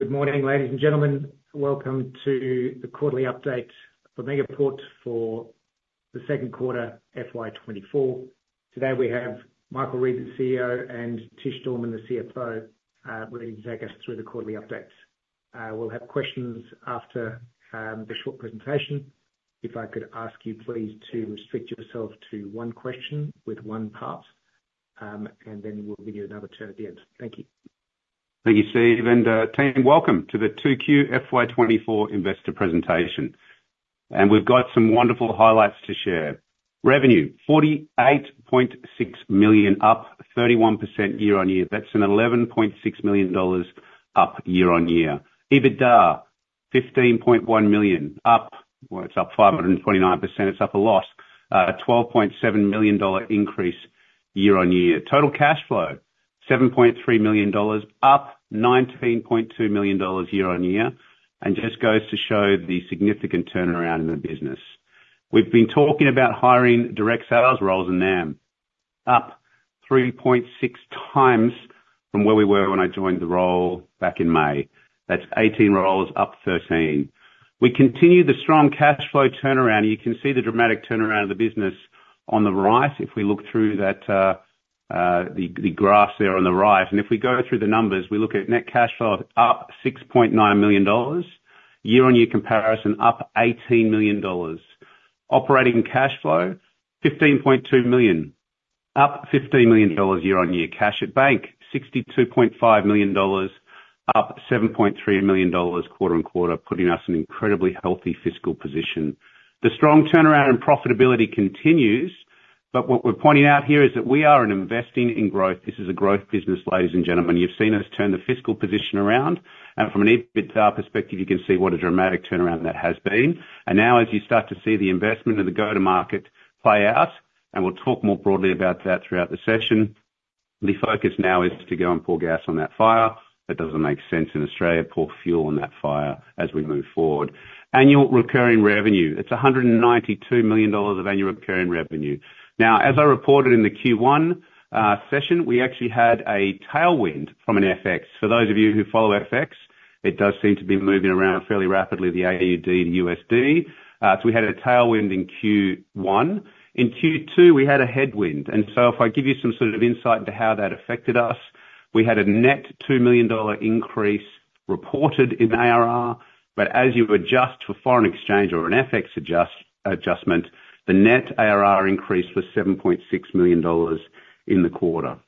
Good morning, ladies and gentlemen. Welcome to the quarterly update for Megaport for the Second Quarter, FY 2024. Today, we have Michael Reid, the CEO, and Tish Dorman, the CFO, ready to take us through the quarterly updates. We'll have questions after the short presentation. If I could ask you please to restrict yourself to one question with one part, and then we'll give you another turn at the end. Thank you. Thank you, Steve, and team, welcome to the 2Q FY 2024 investor presentation. We've got some wonderful highlights to share. Revenue, 48.6 million, up 31% year-on-year. That's an 11.6 million dollars up year-on-year. EBITDA, 15.1 million, up—well, it's up 529%. It's up a lot. A 12.7 million dollar increase year-on-year. Total cash flow, 7.3 million dollars, up 19.2 million dollars year-on-year, and just goes to show the significant turnaround in the business. We've been talking about hiring direct sales roles in NAM, up 3.6 times from where we were when I joined the role back in May. That's 18 roles, up 13. We continue the strong cash flow turnaround. You can see the dramatic turnaround of the business on the right if we look through that, the graphs there on the right. If we go through the numbers, we look at net cash flow up 6.9 million dollars, year-on-year comparison, up 18 million dollars. Operating cash flow, 15.2 million, up 15 million dollars year-on-year. Cash at bank, 62.5 million dollars, up 7.3 million dollars quarter-on-quarter, putting us in an incredibly healthy fiscal position. The strong turnaround and profitability continues, but what we're pointing out here is that we are investing in growth. This is a growth business, ladies and gentlemen. You've seen us turn the fiscal position around, and from an EBITDA perspective, you can see what a dramatic turnaround that has been. And now as you start to see the investment and the go-to-market play out, and we'll talk more broadly about that throughout the session, the focus now is to go and pour gas on that fire. That doesn't make sense in Australia. Pour fuel on that fire as we move forward. Annual recurring revenue, it's 192 million dollars of annual recurring revenue. Now, as I reported in the Q1 session, we actually had a tailwind from an FX. For those of you who follow FX, it does seem to be moving around fairly rapidly, the AUD to USD. So we had a tailwind in Q1. In Q2, we had a headwind. If I give you some sort of insight into how that affected us, we had a net 2 million dollar increase reported in ARR, but as you adjust for foreign exchange or an FX adjustment, the net ARR increase was 7.6 million dollars in the quarter.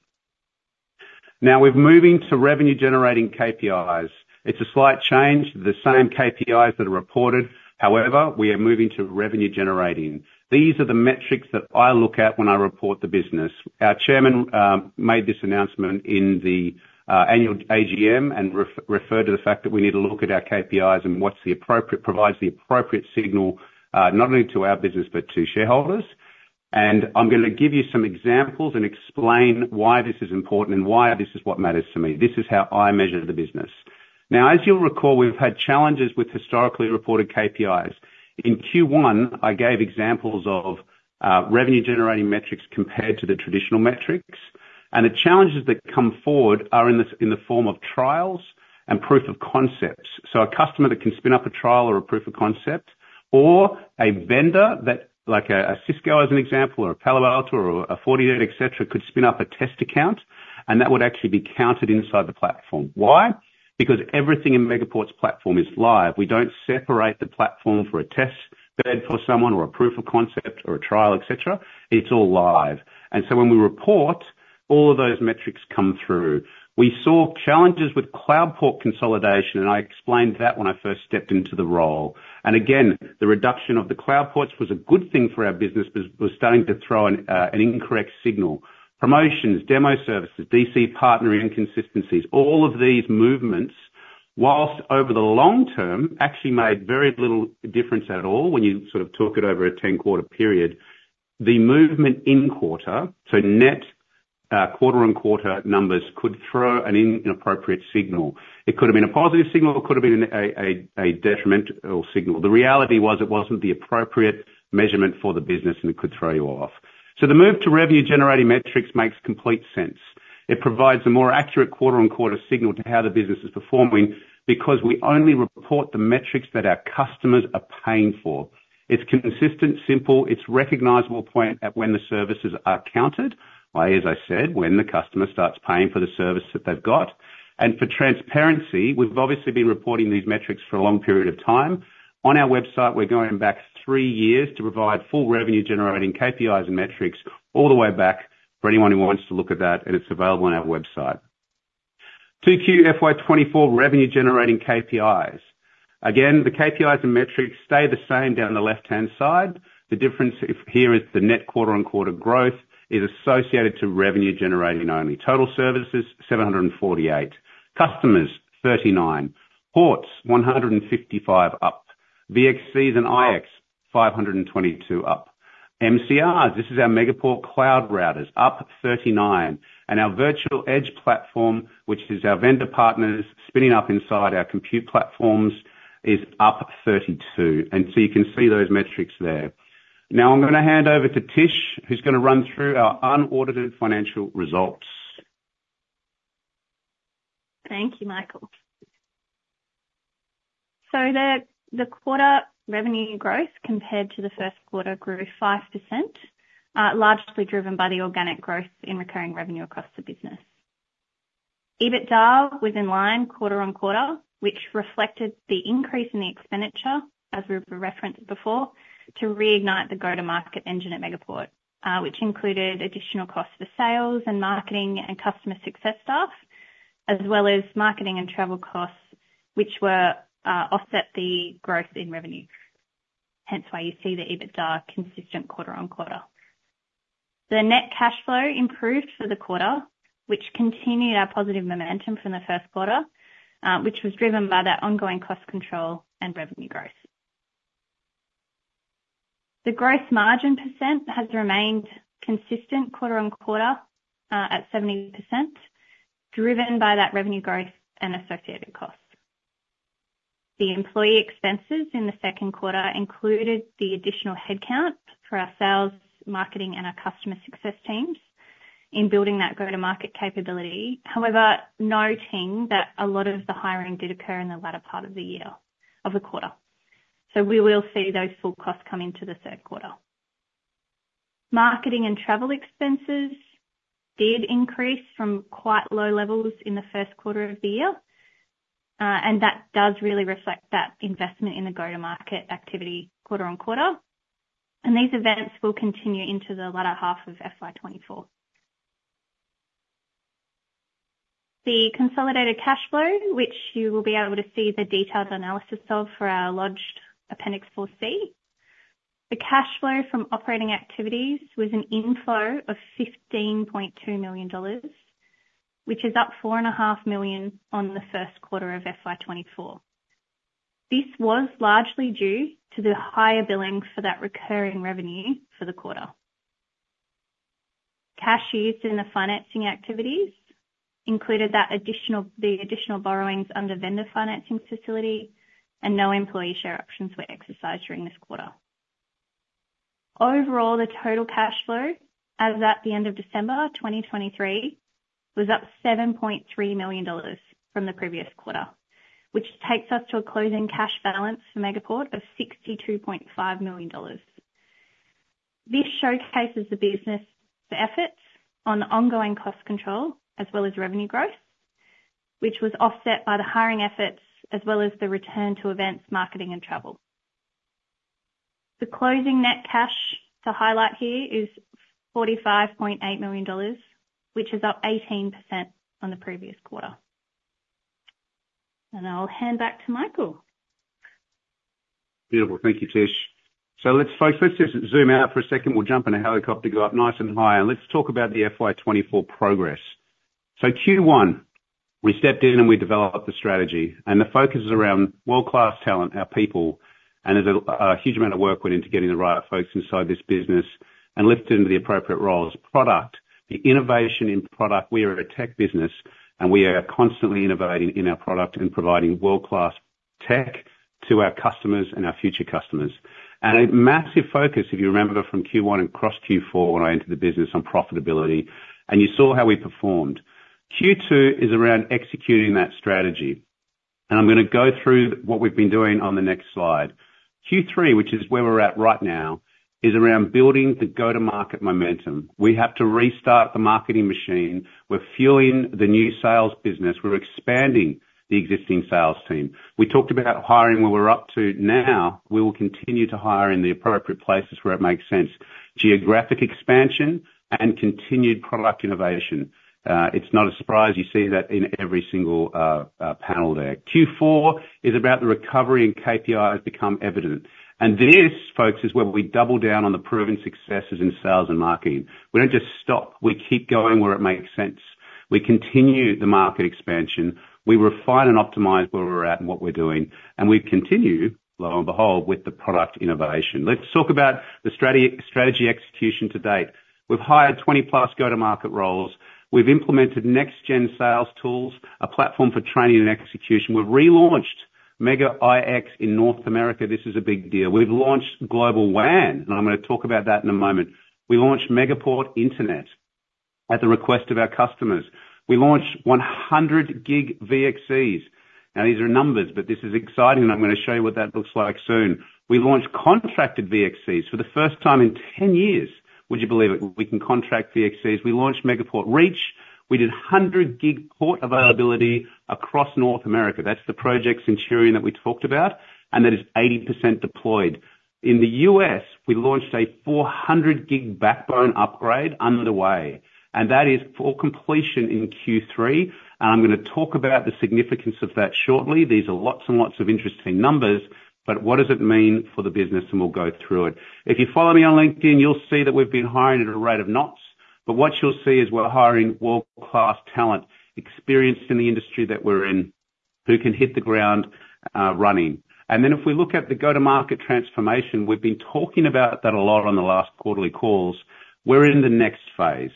Now, we're moving to revenue generating KPIs. It's a slight change, the same KPIs that are reported, however, we are moving to revenue generating. These are the metrics that I look at when I report the business. Our chairman made this announcement in the annual AGM, and referred to the fact that we need to look at our KPIs and what's the appropriate provides the appropriate signal, not only to our business, but to shareholders. I'm gonna give you some examples and explain why this is important and why this is what matters to me. This is how I measure the business. Now, as you'll recall, we've had challenges with historically reported KPIs. In Q1, I gave examples of revenue generating metrics compared to the traditional metrics, and the challenges that come forward are in the form of trials and proof of concepts. So a customer that can spin up a trial or a proof of concept, or a vendor that, like a Cisco as an example, or a Palo Alto or a Fortinet, et cetera, could spin up a test account, and that would actually be counted inside the platform. Why? Because everything in Megaport's platform is live. We don't separate the platform for a test bed for someone, or a proof of concept or a trial, et cetera. It's all live. And so when we report, all of those metrics come through. We saw challenges with cloud port consolidation, and I explained that when I first stepped into the role. And again, the reduction of the cloud ports was a good thing for our business, but was starting to throw an incorrect signal. Promotions, demo services, DC partner inconsistencies, all of these movements, whilst over the long term, actually made very little difference at all when you sort of took it over a ten-quarter period. The movement in quarter, so net, quarter on quarter numbers, could throw an inappropriate signal. It could have been a positive signal, or it could have been a detrimental signal. The reality was, it wasn't the appropriate measurement for the business, and it could throw you off. So the move to revenue generating metrics makes complete sense. It provides a more accurate quarter-on-quarter signal to how the business is performing because we only report the metrics that our customers are paying for. It's consistent, simple, it's recognizable point at when the services are counted, or as I said, when the customer starts paying for the service that they've got. And for transparency, we've obviously been reporting these metrics for a long period of time. On our website, we're going back three years to provide full revenue generating KPIs and metrics all the way back for anyone who wants to look at that, and it's available on our website. 2Q FY 2024 revenue generating KPIs. Again, the KPIs and metrics stay the same down the left-hand side. The difference here is the net quarter-on-quarter growth is associated to revenue generating only. Total services, 748. Customers, 39. Ports, 155, up. VXC and IX, 522, up. MCRs, this is our Megaport Cloud Routers, up 39. And our virtual edge platform, which is our vendor partners spinning up inside our compute platforms, is up 32. And so you can see those metrics there.... Now I'm going to hand over to Tish, who's going to run through our unaudited financial results. Thank you, Michael. The quarter revenue growth compared to the first quarter grew 5%, largely driven by the organic growth in recurring revenue across the business. EBITDA was in line quarter-on-quarter, which reflected the increase in the expenditure, as we've referenced before, to reignite the go-to-market engine at Megaport. Which included additional costs for sales and marketing, and customer success staff, as well as marketing and travel costs, which were offset the growth in revenue. Hence, why you see the EBITDA consistent quarter-on-quarter. The net cash flow improved for the quarter, which continued our positive momentum from the first quarter, which was driven by that ongoing cost control and revenue growth. The gross margin percent has remained consistent quarter-on-quarter, at 70%, driven by that revenue growth and associated costs. The employee expenses in the second quarter included the additional headcount for our sales, marketing, and our customer success teams in building that go-to-market capability. However, noting that a lot of the hiring did occur in the latter part of the year, of the quarter. We will see those full costs come into the third quarter. Marketing and travel expenses did increase from quite low levels in the first quarter of the year, and that does really reflect that investment in the go-to-market activity quarter-on-quarter. These events will continue into the latter half of FY 2024. The consolidated cash flow, which you will be able to see the detailed analysis of for our lodged Appendix 4C. The cash flow from operating activities was an inflow of 15.2 million dollars, which is up 4.5 million on the first quarter of FY 2024. This was largely due to the higher billing for that recurring revenue for the quarter. Cash used in the financing activities included the additional borrowings under vendor financing facility, and no employee share options were exercised during this quarter. Overall, the total cash flow, as at the end of December 2023, was up 7.3 million dollars from the previous quarter, which takes us to a closing cash balance for Megaport of 62.5 million dollars. This showcases the business, the efforts on the ongoing cost control, as well as revenue growth, which was offset by the hiring efforts, as well as the return to events, marketing, and travel. The closing net cash to highlight here is 45.8 million dollars, which is up 18% on the previous quarter. And I'll hand back to Michael. Beautiful. Thank you, Tish. So let's focus—let's just zoom out for a second. We'll jump in a helicopter, go up nice and high, and let's talk about the FY 2024 progress. So Q1, we stepped in, and we developed the strategy, and the focus is around world-class talent, our people. And there's a huge amount of work went into getting the right folks inside this business and lifted into the appropriate roles. Product, the innovation in product. We are a tech business, and we are constantly innovating in our product and providing world-class tech to our customers and our future customers. And a massive focus, if you remember, from Q1 and across Q4, when I entered the business on profitability, and you saw how we performed. Q2 is around executing that strategy, and I'm going to go through what we've been doing on the next slide. Q3, which is where we're at right now, is around building the go-to-market momentum. We have to restart the marketing machine. We're fueling the new sales business. We're expanding the existing sales team. We talked about hiring, where we're up to now. We will continue to hire in the appropriate places where it makes sense. Geographic expansion and continued product innovation. It's not a surprise you see that in every single panel there. Q4 is about the recovery and KPI has become evident, and this, folks, is where we double down on the proven successes in sales and marketing. We don't just stop. We keep going where it makes sense. We continue the market expansion, we refine and optimize where we're at and what we're doing, and we continue, lo and behold, with the product innovation. Let's talk about the strategy, strategy execution to date. We've hired 20+ go-to-market roles. We've implemented next-gen sales tools, a platform for training and execution. We've relaunched MegaIX in North America. This is a big deal. We've launched Global WAN, and I'm going to talk about that in a moment. We launched Megaport Internet at the request of our customers. We launched 100-gig VXCs. Now, these are numbers, but this is exciting, and I'm going to show you what that looks like soon. We launched contracted VXCs for the first time in 10 years. Would you believe it? We can contract VXCs. We launched Megaport Reach. We did 100-gig port availability across North America. That's the Project Centurion that we talked about, and that is 80% deployed. In the U.S., we launched a 400-gig backbone upgrade underway, and that is for completion in Q3. I'm going to talk about the significance of that shortly. These are lots and lots of interesting numbers, but what does it mean for the business? We'll go through it. If you follow me on LinkedIn, you'll see that we've been hiring at a rate of knots, but what you'll see is we're hiring world-class talent, experienced in the industry that we're in, who can hit the ground running. Then if we look at the go-to-market transformation, we've been talking about that a lot on the last quarterly calls... We're in the next phase.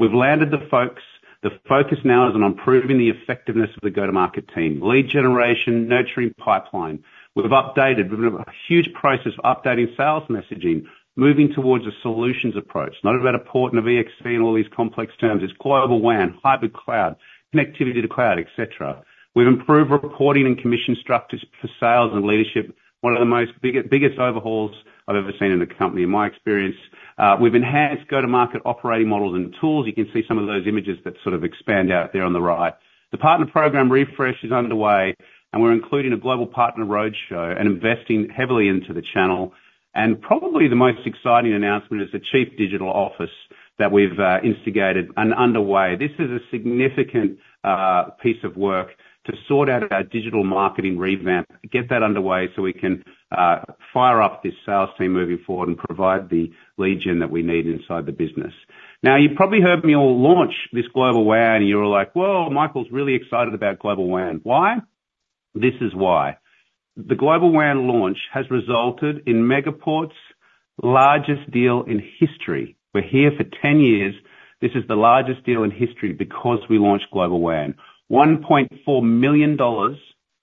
We've landed the folks. The focus now is on improving the effectiveness of the go-to-market team, lead generation, nurturing pipeline. We've updated. We have a huge process of updating sales messaging, moving towards a solutions approach. Not about a port and a VXC and all these complex terms. It's Global WAN, hybrid cloud, connectivity to cloud, et cetera. We've improved reporting and commission structures for sales and leadership, one of the biggest overhauls I've ever seen in a company in my experience. We've enhanced go-to-market operating models and tools. You can see some of those images that sort of expand out there on the right. The partner program refresh is underway, and we're including a global partner roadshow and investing heavily into the channel. And probably the most exciting announcement is the Chief Digital Office that we've instigated and underway. This is a significant piece of work to sort out our digital marketing revamp, to get that underway so we can fire up this sales team moving forward and provide the lead gen that we need inside the business. Now, you've probably heard me all launch this Global WAN, and you're like: Well, Michael's really excited about Global WAN. Why? This is why. The Global WAN launch has resulted in Megaport's largest deal in history. We're here for 10 years. This is the largest deal in history because we launched Global WAN. 1.4 million dollars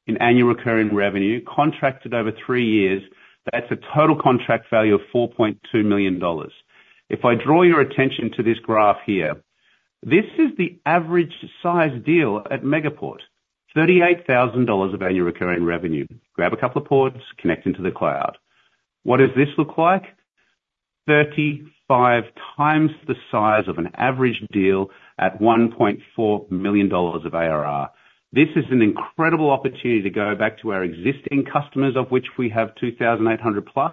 in annual recurring revenue, contracted over three years. That's a total contract value of 4.2 million dollars. If I draw your attention to this graph here, this is the average size deal at Megaport, 38,000 dollars of annual recurring revenue. Grab a couple of ports, connect into the cloud. What does this look like? 35 times the size of an average deal at 1.4 million dollars of ARR. This is an incredible opportunity to go back to our existing customers, of which we have 2,800+,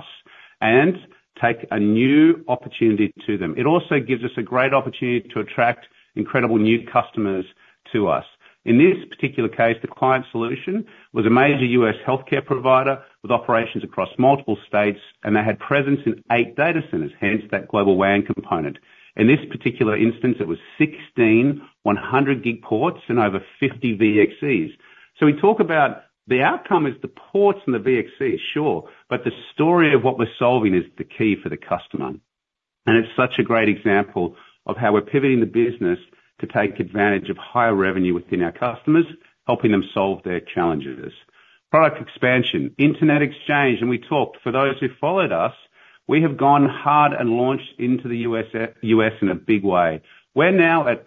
and take a new opportunity to them. It also gives us a great opportunity to attract incredible new customers to us. In this particular case, the client solution was a major U.S. healthcare provider with operations across multiple states, and they had presence in eight data centers, hence that Global WAN component. In this particular instance, it was 16 100-gig ports and over 50 VXCs. So we talk about the outcome is the ports and the VXC, sure, but the story of what we're solving is the key for the customer. And it's such a great example of how we're pivoting the business to take advantage of higher revenue within our customers, helping them solve their challenges. Product expansion, Internet Exchange, and we talked. For those who followed us, we have gone hard and launched into the U.S., U.S. in a big way. We're now at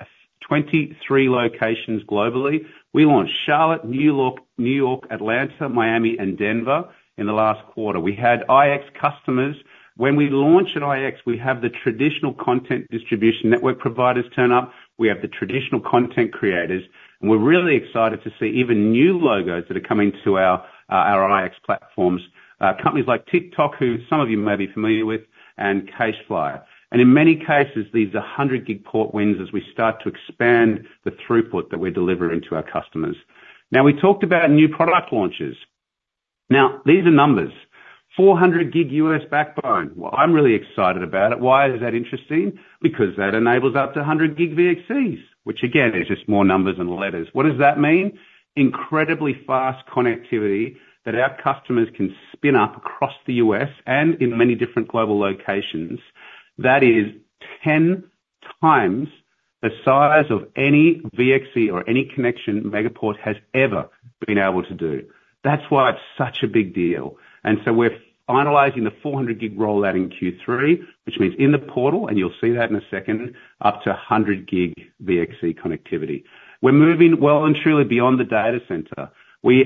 23 locations globally. We launched Charlotte, New York, New York, Atlanta, Miami, and Denver in the last quarter. We had IX customers. When we launch an IX, we have the traditional content distribution network providers turn up, we have the traditional content creators, and we're really excited to see even new logos that are coming to our, our IX platforms. Companies like TikTok, who some of you may be familiar with, and Casefly. And in many cases, these are 100-gig port wins as we start to expand the throughput that we're delivering to our customers. Now, we talked about new product launches. Now, these are numbers, 400-gig U.S. backbone. Well, I'm really excited about it. Why is that interesting? Because that enables up to 100-gig VXCs, which again, is just more numbers and letters. What does that mean? Incredibly fast connectivity that our customers can spin up across the U.S. and in many different global locations. That is 10 times the size of any VXC or any connection Megaport has ever been able to do. That's why it's such a big deal. And so we're finalizing the 400-gig rollout in Q3, which means in the portal, and you'll see that in a second, up to 100-gig VXC connectivity. We're moving well and truly beyond the data center. We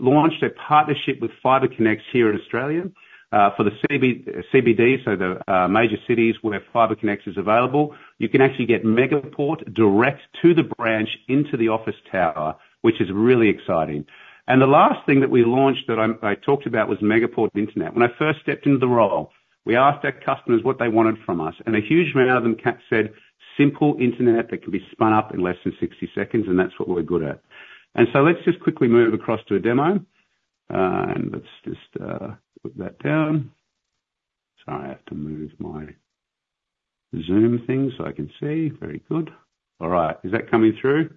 launched a partnership with FibreconX here in Australia, for the CBD, so the major cities where FibreconX is available. You can actually get Megaport direct to the branch into the office tower, which is really exciting. The last thing that we launched that I'm, I talked about was Megaport Internet. When I first stepped into the role, we asked our customers what they wanted from us, and a huge amount of them said, "Simple internet that can be spun up in less than 60 seconds," and that's what we're good at. So let's just quickly move across to a demo. And let's just put that down. Sorry, I have to move my Zoom thing, so I can see. Very good. All right, is that coming through?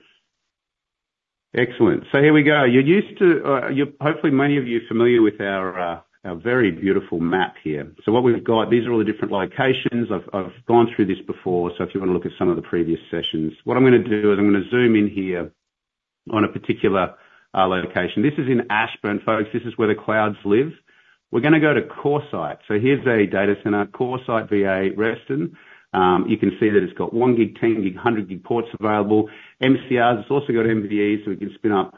Excellent. So here we go. You're used to, you're hopefully, many of you are familiar with our, our very beautiful map here. So what we've got, these are all the different locations. I've gone through this before, so if you want to look at some of the previous sessions. What I'm gonna do is I'm gonna zoom in here on a particular location. This is in Ashburn, folks. This is where the clouds live. We're gonna go to CoreSite. So here's a data center, CoreSite VA Reston. You can see that it's got one gig, 10 gig, 100 gig ports available. MCRs, it's also got MVEs, so we can spin up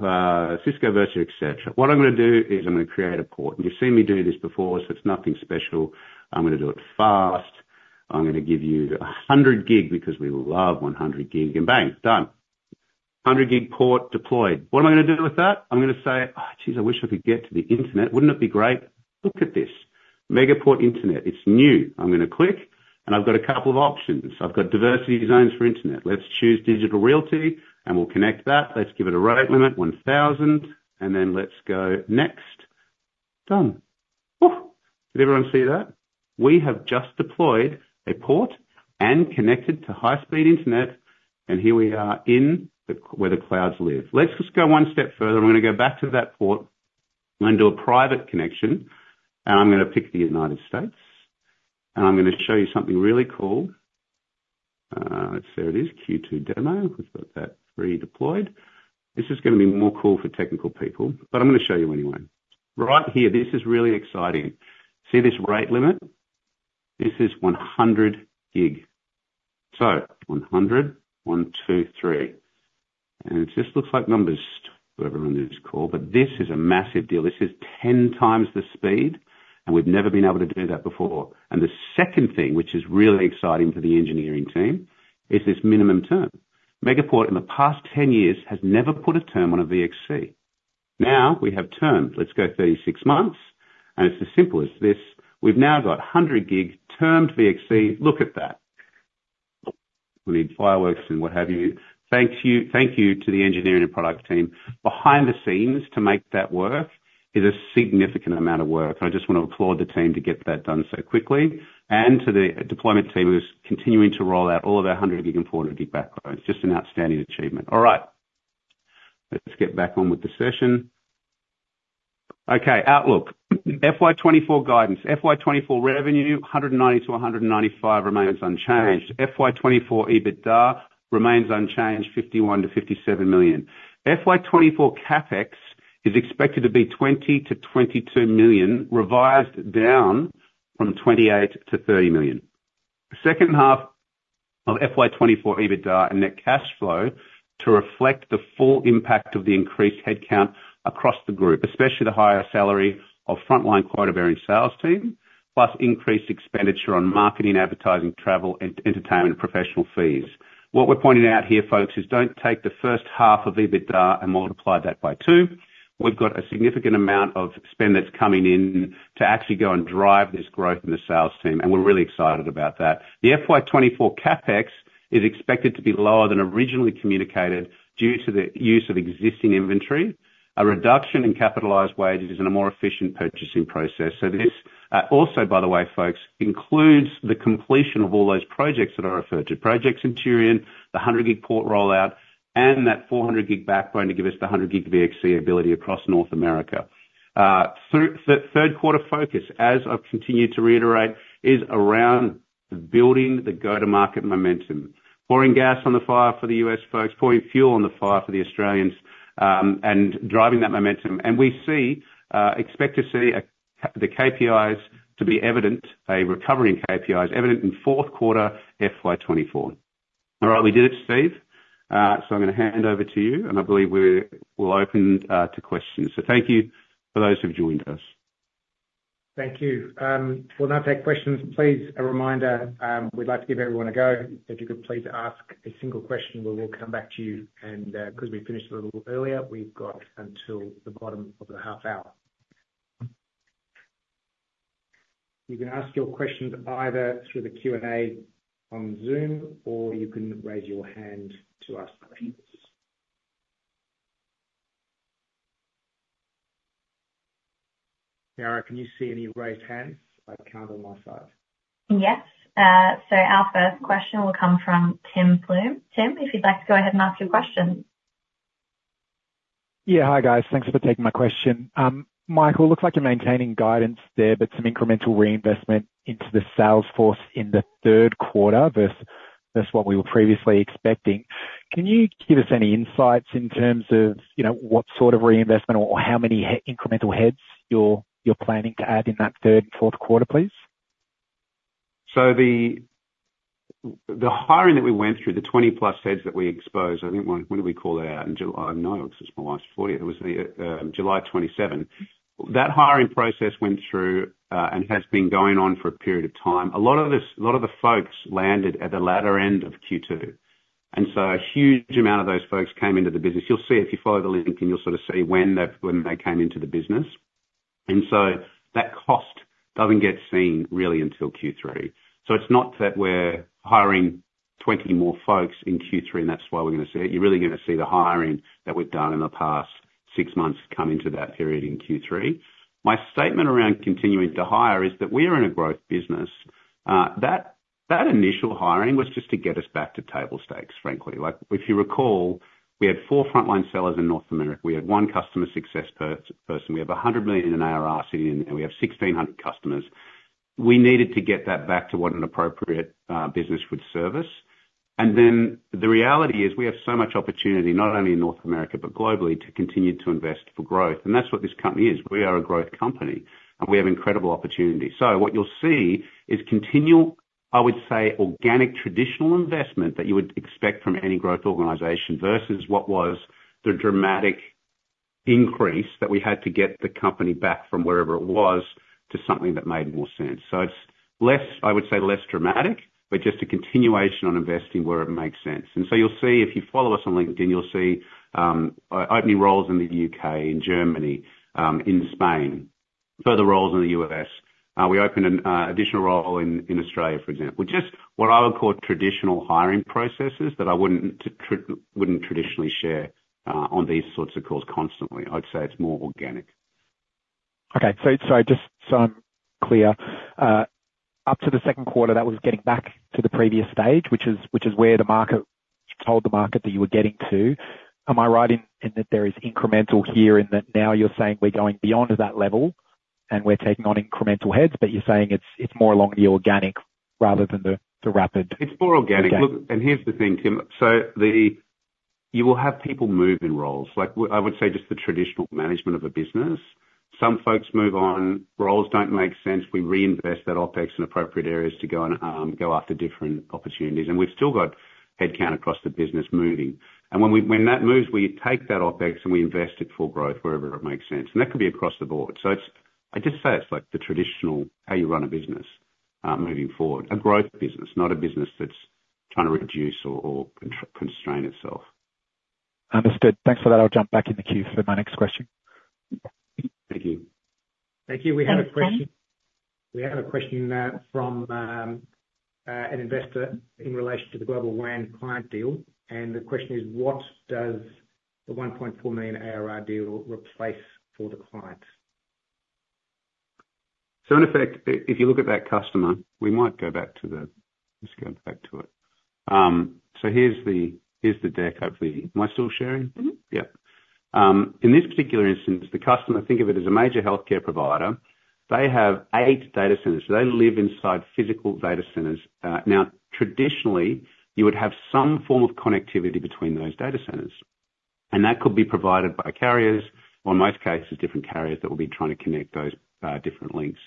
Cisco Virtual, et cetera. What I'm gonna do is I'm gonna create a port. You've seen me do this before, so it's nothing special. I'm gonna do it fast. I'm gonna give you a 100 gig because we love 100 gig, and bang! Done. 100 gig port deployed. What am I gonna do with that? I'm gonna say: Oh, geez, I wish I could get to the internet. Wouldn't it be great? Look at this, Megaport Internet. It's new. I'm gonna click, and I've got a couple of options. I've got diversity zones for internet. Let's choose Digital Realty, and we'll connect that. Let's give it a rate limit, 1000, and then let's go next. Done. Oh! Did everyone see that? We have just deployed a port and connected to high-speed internet, and here we are in the... where the clouds live. Let's just go one step further. I'm gonna go back to that port.... I'm gonna do a private connection, and I'm gonna pick the United States, and I'm gonna show you something really cool. Let's see. There it is, Q2 demo. We've got that redeployed. This is gonna be more cool for technical people, but I'm gonna show you anyway. Right here, this is really exciting. See this rate limit? This is 100-gig. So 100, one, two, three, and it just looks like numbers, whatever one is called, but this is a massive deal. This is 10 times the speed, and we've never been able to do that before. And the second thing, which is really exciting for the engineering team, is this minimum term. Megaport, in the past 10 years, has never put a term on a VXC. Now, we have terms. Let's go 36 months, and it's as simple as this. We've now got 100-gig termed VXC. Look at that. We need fireworks and what have you. Thank you, thank you to the engineering and product team. Behind the scenes to make that work is a significant amount of work. I just want to applaud the team to get that done so quickly, and to the deployment team who's continuing to roll out all of our 100-gig and 400-gig backbones. Just an outstanding achievement. All right. Let's get back on with the session. Okay, outlook. FY 2024 guidance. FY 2024 revenue, 190-195 remains unchanged. FY 2024 EBITDA remains unchanged, 51 million-57 million. FY 2024 CapEx is expected to be 20 million-22 million, revised down from 28 million-30 million. The second half of FY 2024 EBITDA and net cash flow to reflect the full impact of the increased headcount across the group, especially the higher salary of frontline quota-varying sales team, plus increased expenditure on marketing, advertising, travel, entertainment, and professional fees. What we're pointing out here, folks, is don't take the first half of EBITDA and multiply that by 2. We've got a significant amount of spend that's coming in to actually go and drive this growth in the sales team, and we're really excited about that. The FY 2024 CapEx is expected to be lower than originally communicated due to the use of existing inventory, a reduction in capitalized wages, and a more efficient purchasing process. So this also, by the way, folks, includes the completion of all those projects that I referred to. Project Centurion, the 100-gig port rollout, and that 400-gig backbone to give us the 100-gig VXC ability across North America. The third quarter focus, as I've continued to reiterate, is around building the go-to-market momentum, pouring gas on the fire for the U.S. folks, pouring fuel on the fire for the Australians, and driving that momentum. And we see expect to see the KPIs to be evident, a recovery in KPIs evident in fourth quarter, FY 2024. All right, we did it, Steve. So I'm gonna hand over to you, and I believe we'll open to questions. So thank you for those who've joined us. Thank you. We'll now take questions. Please, a reminder, we'd like to give everyone a go. If you could please ask a single question, we will come back to you. Because we finished a little earlier, we've got until the bottom of the half hour. You can ask your questions either through the Q&A on Zoom or you can raise your hand to ask questions. Ciara, can you see any raised hands? I can't on my side. Yes. So our first question will come from Tim Plume. Tim, if you'd like to go ahead and ask your question. Yeah. Hi, guys. Thanks for taking my question. Michael, looks like you're maintaining guidance there, but some incremental reinvestment into the Salesforce in the third quarter versus what we were previously expecting. Can you give us any insights in terms of, you know, what sort of reinvestment or how many incremental heads you're planning to add in that third and fourth quarter, please? So the hiring that we went through, the 20+ heads that we exposed, I think, when did we call that out? In July - no, this is my last fortieth. It was the July 27th. That hiring process went through, and has been going on for a period of time. A lot of this, a lot of the folks landed at the latter end of Q2, and so a huge amount of those folks came into the business. You'll see if you follow the link, and you'll sort of see when they came into the business. And so that cost doesn't get seen really until Q3. So it's not that we're hiring 20 more folks in Q3, and that's why we're gonna see it. You're really gonna see the hiring that we've done in the past six months come into that period in Q3. My statement around continuing to hire is that we are in a growth business. That initial hiring was just to get us back to table stakes, frankly. Like, if you recall, we had four frontline sellers in North America. We had one customer success person. We have 100 million in ARR sitting, and we have 1,600 customers. We needed to get that back to what an appropriate business would service. The reality is, we have so much opportunity, not only in North America, but globally, to continue to invest for growth. That's what this company is. We are a growth company, and we have incredible opportunity. So what you'll see is continual, I would say, organic, traditional investment that you would expect from any growth organization, versus what was the dramatic increase that we had to get the company back from wherever it was to something that made more sense. So it's less, I would say, less dramatic, but just a continuation on investing where it makes sense. And so you'll see, if you follow us on LinkedIn, you'll see opening roles in the U.K., in Germany, in Spain, further roles in the U.S. We opened an additional role in Australia, for example. Just what I would call traditional hiring processes that I wouldn't traditionally share on these sorts of calls constantly. I'd say it's more organic.... Okay, so just so I'm clear, up to the second quarter, that was getting back to the previous stage, which is where the market told the market that you were getting to. Am I right in that there is incremental here, in that now you're saying we're going beyond that level, and we're taking on incremental heads, but you're saying it's more along the organic rather than the rapid? It's more organic. Okay. Look, and here's the thing, Tim. So you will have people move in roles, I would say, just the traditional management of a business. Some folks move on, roles don't make sense, we reinvest that OpEx in appropriate areas to go and go after different opportunities. And we've still got headcount across the business moving. And when that moves, we take that OpEx, and we invest it for growth wherever it makes sense. And that could be across the board. So it's, I just say it's like the traditional how you run a business, moving forward. A growth business, not a business that's trying to reduce or constrain itself. Understood. Thanks for that. I'll jump back in the queue for my next question. Thank you. Thank you. We have a question- Thanks, Tim. We have a question from an investor in relation to the Global WAN client deal, and the question is: What does the 1.4 million ARR deal replace for the clients? So in effect, if you look at that customer, we might go back to the... Just go back to it. So here's the, here's the deck. Hopefully... Am I still sharing? Mm-hmm. Yeah. In this particular instance, the customer, think of it as a major healthcare provider. They have eight data centers. So they live inside physical data centers. Now, traditionally, you would have some form of connectivity between those data centers, and that could be provided by carriers, or in most cases, different carriers that will be trying to connect those, different links.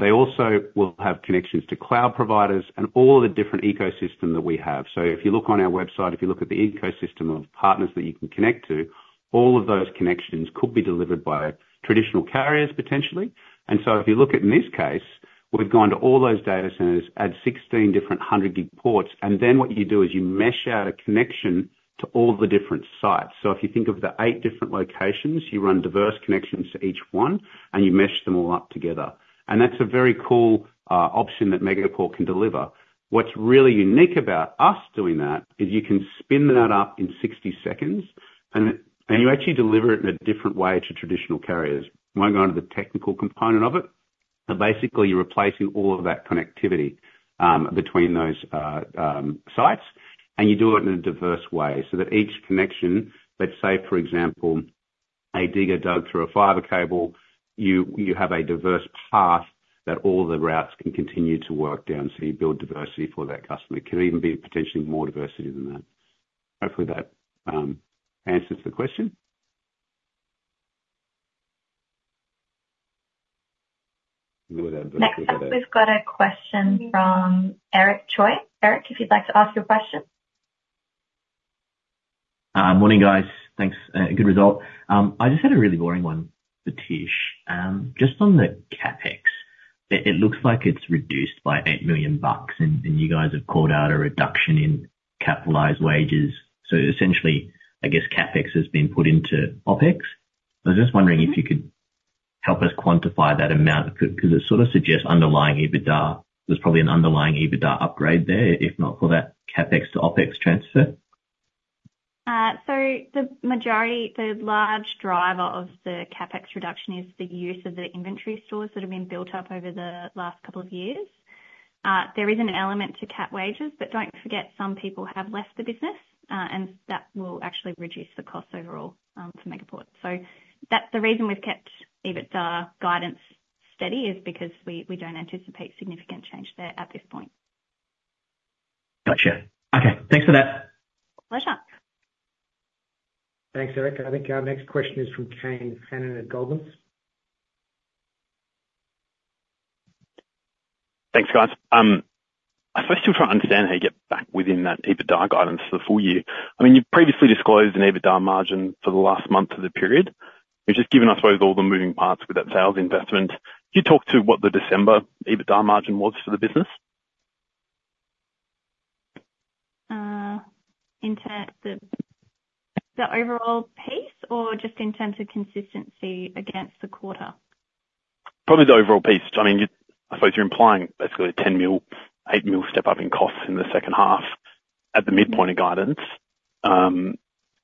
They also will have connections to cloud providers and all the different ecosystem that we have. So if you look on our website, if you look at the ecosystem of partners that you can connect to, all of those connections could be delivered by traditional carriers, potentially. So if you look at, in this case, we've gone to all those data centers, add 16 different 100-gig ports, and then what you do is you mesh out a connection to all the different sites. So if you think of the eight different locations, you run diverse connections to each one, and you mesh them all up together. That's a very cool option that Megaport can deliver. What's really unique about us doing that is you can spin that up in 60 seconds, and you actually deliver it in a different way to traditional carriers. I won't go into the technical component of it, but basically you're replacing all of that connectivity between those sites, and you do it in a diverse way, so that each connection, let's say, for example, a digger dug through a fiber cable, you have a diverse path that all the routes can continue to work down, so you build diversity for that customer. It could even be potentially more diversity than that. Hopefully that answers the question. Look at that- Next up, we've got a question from Eric Choi. Eric, if you'd like to ask your question. Morning, guys. Thanks. Good result. I just had a really boring one for Tish. Just on the CapEx, it looks like it's reduced by 8 million bucks, and you guys have called out a reduction in capitalized wages. So essentially, I guess CapEx has been put into OpEx? I was just wondering if you could help us quantify that amount, 'cause it sort of suggests underlying EBITDA. There's probably an underlying EBITDA upgrade there, if not for that CapEx to OpEx transfer. So the majority, the large driver of the CapEx reduction is the use of the inventory stores that have been built up over the last couple of years. There is an element to cap wages, but don't forget, some people have left the business, and that will actually reduce the cost overall, for Megaport. So that's the reason we've kept EBITDA guidance steady, is because we, we don't anticipate significant change there at this point. Gotcha. Okay, thanks for that. Pleasure. Thanks, Eric. I think our next question is from Kane Hannan at Goldmans. Thanks, guys. I'm still trying to understand how you get back within that EBITDA guidance for the full year. I mean, you've previously disclosed an EBITDA margin for the last month of the period, which has given us, with all the moving parts with that sales investment. Can you talk to what the December EBITDA margin was for the business? In terms of the overall piece or just in terms of consistency against the quarter? Probably the overall piece. I mean, you-- I suppose you're implying basically a 10 million, 8 million step-up in costs in the second half at the midpoint of guidance.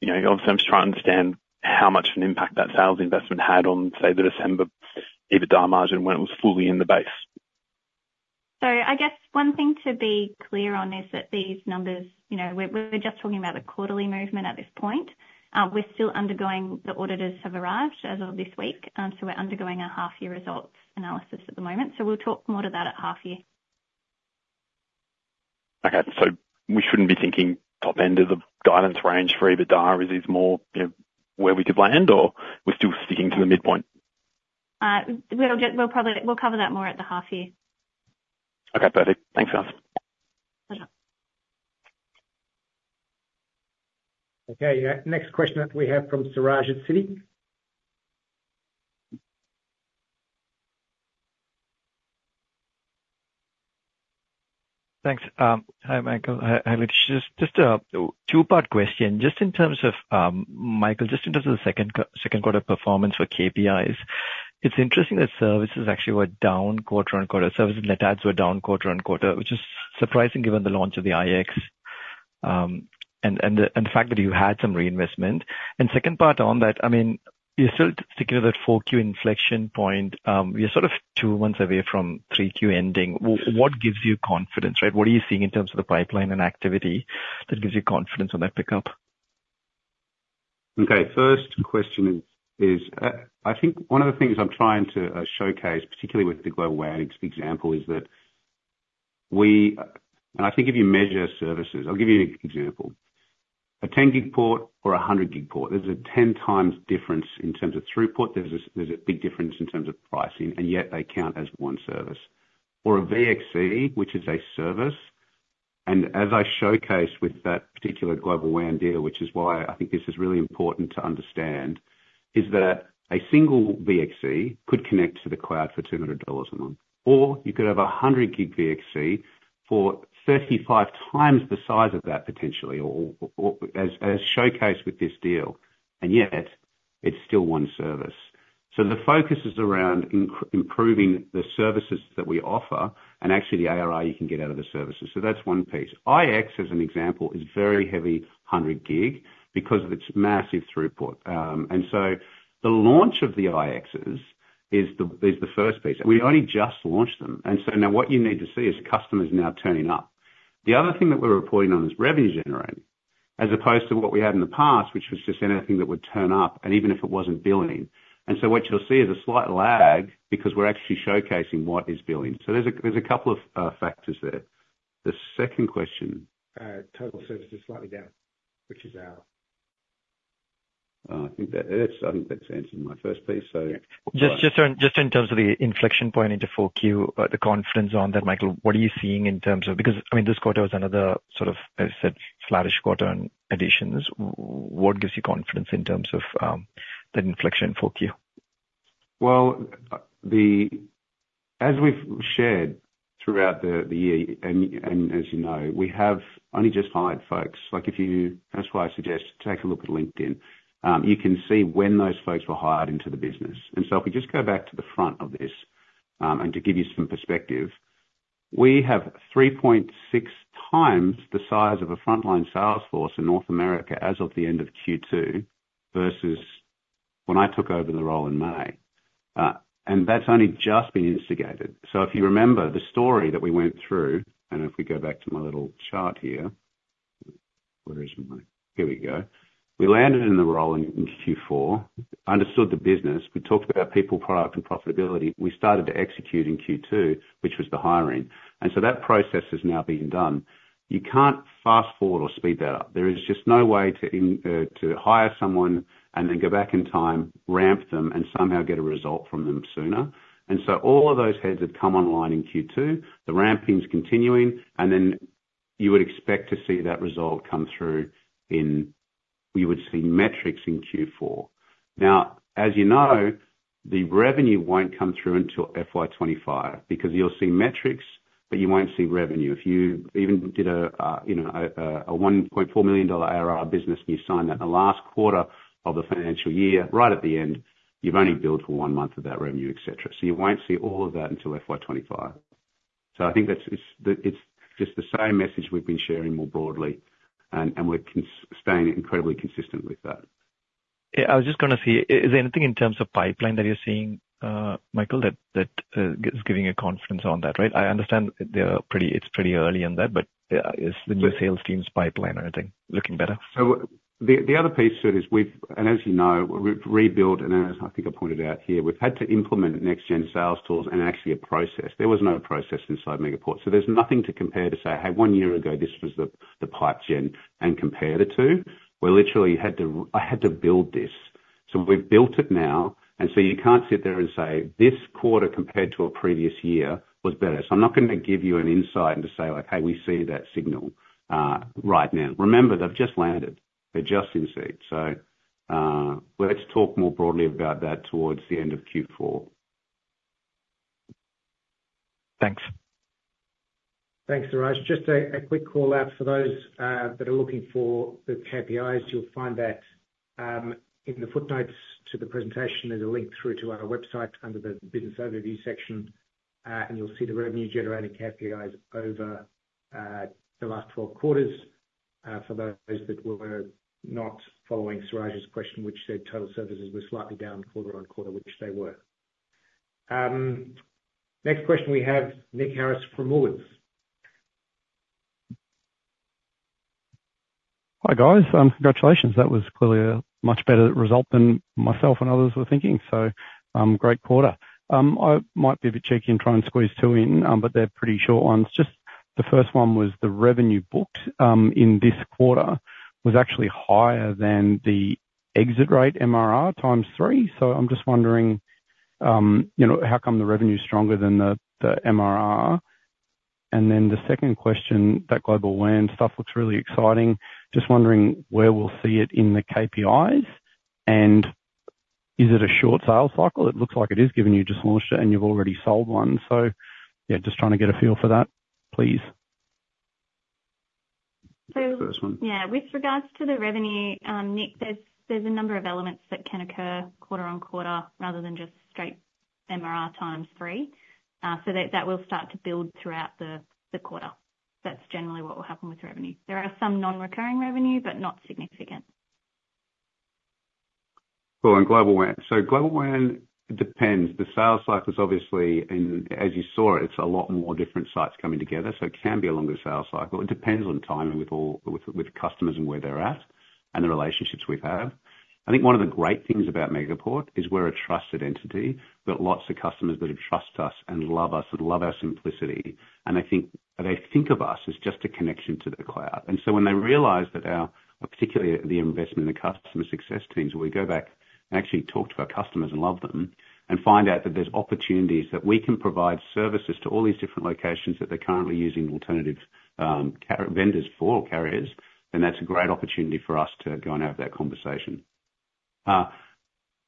You know, obviously, I'm just trying to understand how much of an impact that sales investment had on, say, the December EBITDA margin when it was fully in the base. So I guess one thing to be clear on is that these numbers, you know, we're just talking about the quarterly movement at this point. We're still undergoing. The auditors have arrived as of this week, so we're undergoing our half year results analysis at the moment, so we'll talk more to that at half year. Okay. So we shouldn't be thinking top end of the guidance range for EBITDA, is this more, you know, where we could land, or we're still sticking to the midpoint? We'll probably cover that more at the half year. Okay, perfect. Thanks, guys. Pleasure. Okay, next question that we have from Suraj at Citi. Thanks. Hi, Michael. Hi, Leticia. Just a two-part question. Just in terms of, Michael, just in terms of the second quarter performance for KPIs, it's interesting that services actually were down quarter-over-quarter. Services and net adds were down quarter-over-quarter, which is surprising given the launch of the IX. and the fact that you had some reinvestment. And second part on that, I mean, you're still sticking to that 4Q inflection point. We are sort of two months away from 3Q ending. What gives you confidence, right? What are you seeing in terms of the pipeline and activity that gives you confidence on that pickup? Okay. First question is, I think one of the things I'm trying to showcase, particularly with the Global WAN example, is that we. And I think if you measure services... I'll give you an example. A 10-gig port or a 100-gig port, there's a 10 times difference in terms of throughput. There's a big difference in terms of pricing, and yet they count as one service. Or a VXC, which is a service, and as I showcase with that particular Global WAN deal, which is why I think this is really important to understand, is that a single VXC could connect to the cloud for 200 dollars a month, or you could have a 100-gig VXC for 35 times the size of that potentially, or as showcased with this deal, and yet it's still one service. So the focus is around improving the services that we offer and actually the ARR you can get out of the services. So that's one piece. IX, as an example, is very heavy 100-gig because of its massive throughput. And so the launch of the IXs is the first piece. We only just launched them, and so now what you need to see is customers now turning up. The other thing that we're reporting on is revenue generating, as opposed to what we had in the past, which was just anything that would turn up, and even if it wasn't billing. And so what you'll see is a slight lag because we're actually showcasing what is billing. So there's a couple of factors there. The second question? Total services is slightly down, which is our- I think that's, I think that's answered my first piece, so- Just in terms of the inflection point into 4Q, the confidence on that, Michael, what are you seeing in terms of? Because, I mean, this quarter was another sort of, as I said, flattish quarter on additions. What gives you confidence in terms of the inflection in 4Q? Well, as we've shared throughout the year, and as you know, we have only just hired folks. Like, that's why I suggest take a look at LinkedIn. You can see when those folks were hired into the business. And so if we just go back to the front of this, and to give you some perspective, we have 3.6 times the size of a frontline sales force in North America as of the end of Q2, versus when I took over the role in May. And that's only just been instigated. So if you remember the story that we went through, and if we go back to my little chart here. Here we go. We landed in the role in Q4, understood the business. We talked about people, product, and profitability. We started to execute in Q2, which was the hiring, and so that process has now been done. You can't fast forward or speed that up. There is just no way to in to hire someone and then go back in time, ramp them, and somehow get a result from them sooner. And so all of those heads have come online in Q2. The ramping's continuing, and then you would expect to see that result come through in... We would see metrics in Q4. Now, as you know, the revenue won't come through until FY 2025, because you'll see metrics, but you won't see revenue. If you even did a, you know, a 1.4 million dollar ARR business, and you signed that in the last quarter of the financial year, right at the end, you've only billed for one month of that revenue, et cetera. So you won't see all of that until FY 2025. So I think that's it. It's just the same message we've been sharing more broadly, and we're staying incredibly consistent with that. Yeah, I was just going to say, is there anything in terms of pipeline that you're seeing, Michael, that is giving you confidence on that, right? I understand it's pretty early in that, but is the new sales team's pipeline or anything looking better? So the other piece to it is we've, and as you know, we've rebuilt, and as I think I pointed out here, we've had to implement next gen sales tools and actually a process. There was no process inside Megaport, so there's nothing to compare to say, "Hey, one year ago, this was the pipe gen," and compare the two. We literally had to, I had to build this. So we've built it now, and so you can't sit there and say, "This quarter compared to a previous year was better." So I'm not going to give you an insight and just say, like, "Hey, we see that signal," right now. Remember, they've just landed. They're just in seat. So, let's talk more broadly about that towards the end of Q4. Thanks. Thanks, Suraj. Just a quick call out for those that are looking for the KPIs. You'll find that in the footnotes to the presentation, there's a link through to our website under the business overview section, and you'll see the revenue generating KPIs over the last 12 quarters, for those that were not following Suraj's question, which said total services were slightly down quarter-on-quarter, which they were. Next question we have Nick Harris from Morgans. Hi, guys, congratulations. That was clearly a much better result than myself and others were thinking so, great quarter. I might be a bit cheeky and try and squeeze two in, but they're pretty short ones. Just the first one was the revenue booked, in this quarter, was actually higher than the exit rate MRR times three. So I'm just wondering, you know, how come the revenue is stronger than the, the MRR? And then the second question, that Global WAN stuff looks really exciting. Just wondering where we'll see it in the KPIs, and is it a short sales cycle? It looks like it is, given you just launched it and you've already sold one. So yeah, just trying to get a feel for that, please. So- First one. Yeah. With regards to the revenue, Nick, there's a number of elements that can occur quarter-on-quarter rather than just MRR times three. So that will start to build throughout the quarter. That's generally what will happen with revenue. There are some non-recurring revenue, but not significant. Well, and Global WAN. So Global WAN depends. The sales cycle is obviously, and as you saw, it's a lot more different sites coming together, so it can be a longer sales cycle. It depends on timing with customers and where they're at and the relationships we have. I think one of the great things about Megaport is we're a trusted entity. We've got lots of customers that trust us and love us and love our simplicity. And I think they think of us as just a connection to the cloud. And so when they realize that our, particularly the investment in customer success teams, where we go back and actually talk to our customers and love them, and find out that there's opportunities that we can provide services to all these different locations that they're currently using alternative carrier vendors for carriers, then that's a great opportunity for us to go and have that conversation.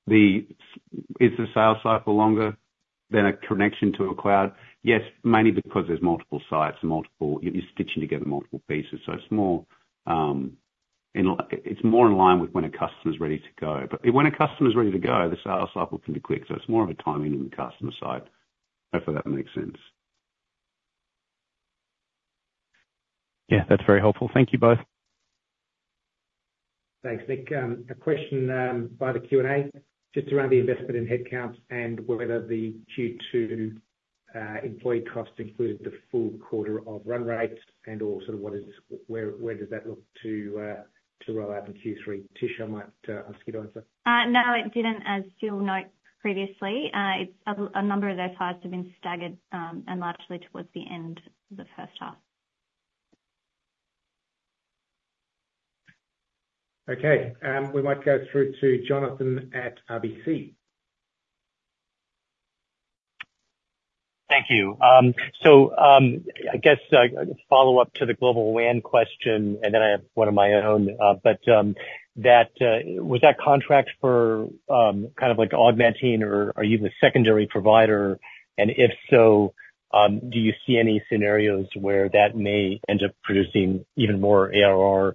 Is the sales cycle longer than a connection to a cloud? Yes, mainly because there's multiple sites, multiple. You're stitching together multiple pieces, so it's more in line with when a customer's ready to go. But when a customer's ready to go, the sales cycle can be quick, so it's more of a timing on the customer side. Hopefully that makes sense. Yeah, that's very helpful. Thank you both. Thanks, Nick. A question via the Q&A, just around the investment in headcounts and whether the Q2 employee costs included the full quarter of run rates and/or sort of where does that look to to roll out in Q3? Tisha, I might ask you to answer. No, it didn't, as Phil noted previously. It's a number of those hires have been staggered, and largely towards the end of the first half. Okay. We might go through to Jonathan at ABC. Thank you. So, I guess, a follow-up to the Global WAN question, and then I have one of my own. But, that was that contract for, kind of like augmenting, or are you the secondary provider? And if so, do you see any scenarios where that may end up producing even more ARR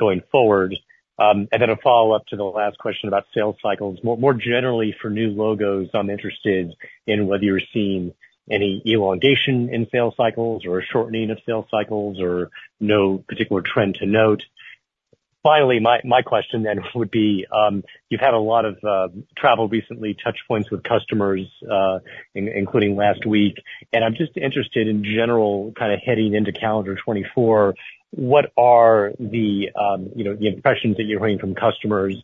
going forward? And then a follow-up to the last question about sales cycles. More generally for new logos, I'm interested in whether you're seeing any elongation in sales cycles or a shortening of sales cycles, or no particular trend to note. Finally, my question then would be, you've had a lot of travel recently, touchpoints with customers, including last week, and I'm just interested in general, kind of heading into calendar 2024, what are the, you know, the impressions that you're hearing from customers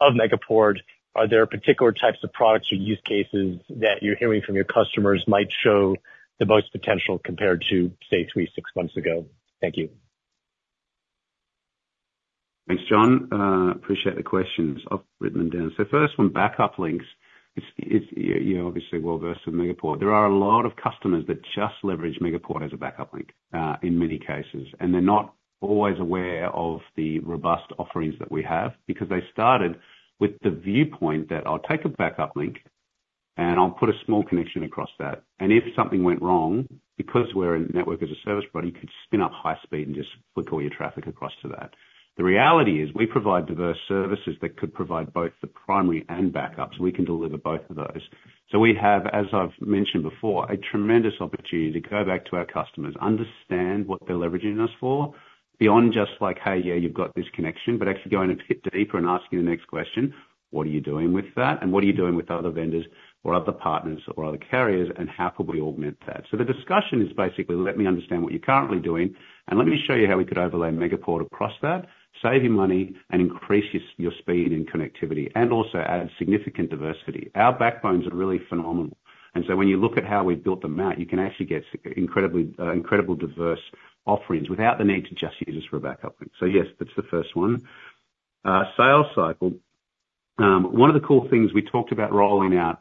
of Megaport? Are there particular types of products or use cases that you're hearing from your customers might show the most potential compared to, say, three, six months ago? Thank you. Thanks, John. Appreciate the questions. I've written them down. So first one, backup links. It's you, you're obviously well versed with Megaport. There are a lot of customers that just leverage Megaport as a backup link, in many cases, and they're not always aware of the robust offerings that we have. Because they started with the viewpoint that I'll take a backup link, and I'll put a small connection across that, and if something went wrong, because we're a network as a service provider, you could spin up high speed and just flick all your traffic across to that. The reality is, we provide diverse services that could provide both the primary and backup, so we can deliver both of those. So we have, as I've mentioned before, a tremendous opportunity to go back to our customers, understand what they're leveraging us for, beyond just like, "Hey, yeah, you've got this connection," but actually going a bit deeper and asking the next question: "What are you doing with that? And what are you doing with other vendors or other partners or other carriers, and how can we augment that?" So the discussion is basically, let me understand what you're currently doing, and let me show you how we could overlay Megaport across that, save you money, and increase your speed and connectivity, and also add significant diversity. Our backbones are really phenomenal, and so when you look at how we've built them out, you can actually get incredibly, incredible diverse offerings without the need to just use us for a backup link. So yes, that's the first one. Sales cycle. One of the cool things we talked about rolling out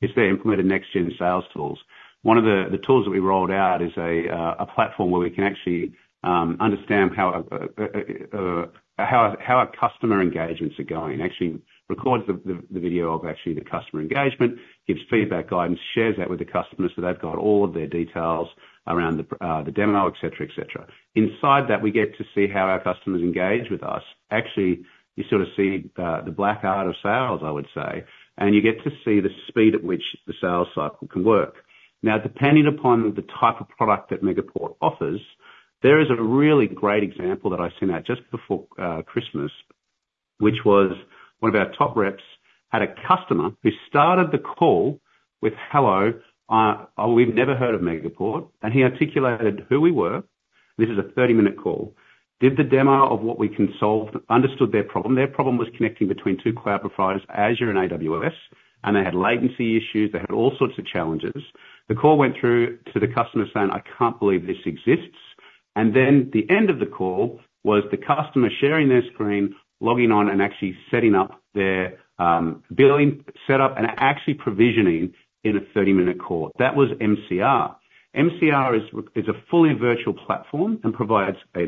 is the implemented next gen sales tools. One of the tools that we rolled out is a platform where we can actually understand how a customer engagements are going. Actually records the video of actually the customer engagement, gives feedback, guidance, shares that with the customer, so they've got all of their details around the demo, et cetera, et cetera. Inside that, we get to see how our customers engage with us. Actually, you sort of see the black art of sales, I would say, and you get to see the speed at which the sales cycle can work. Now, depending upon the type of product that Megaport offers, there is a really great example that I sent out just before Christmas, which was one of our top reps had a customer who started the call with, "Hello, we've never heard of Megaport." And he articulated who we were. This is a 30-minute call. Did the demo of what we can solve, understood their problem. Their problem was connecting between two cloud providers, Azure and AWS, and they had latency issues. They had all sorts of challenges. The call went through to the customer saying: I can't believe this exists. And then the end of the call was the customer sharing their screen, logging on, and actually setting up their billing set up and actually provisioning in a 30-minute call. That was MCR. MCR is a fully virtual platform and provides a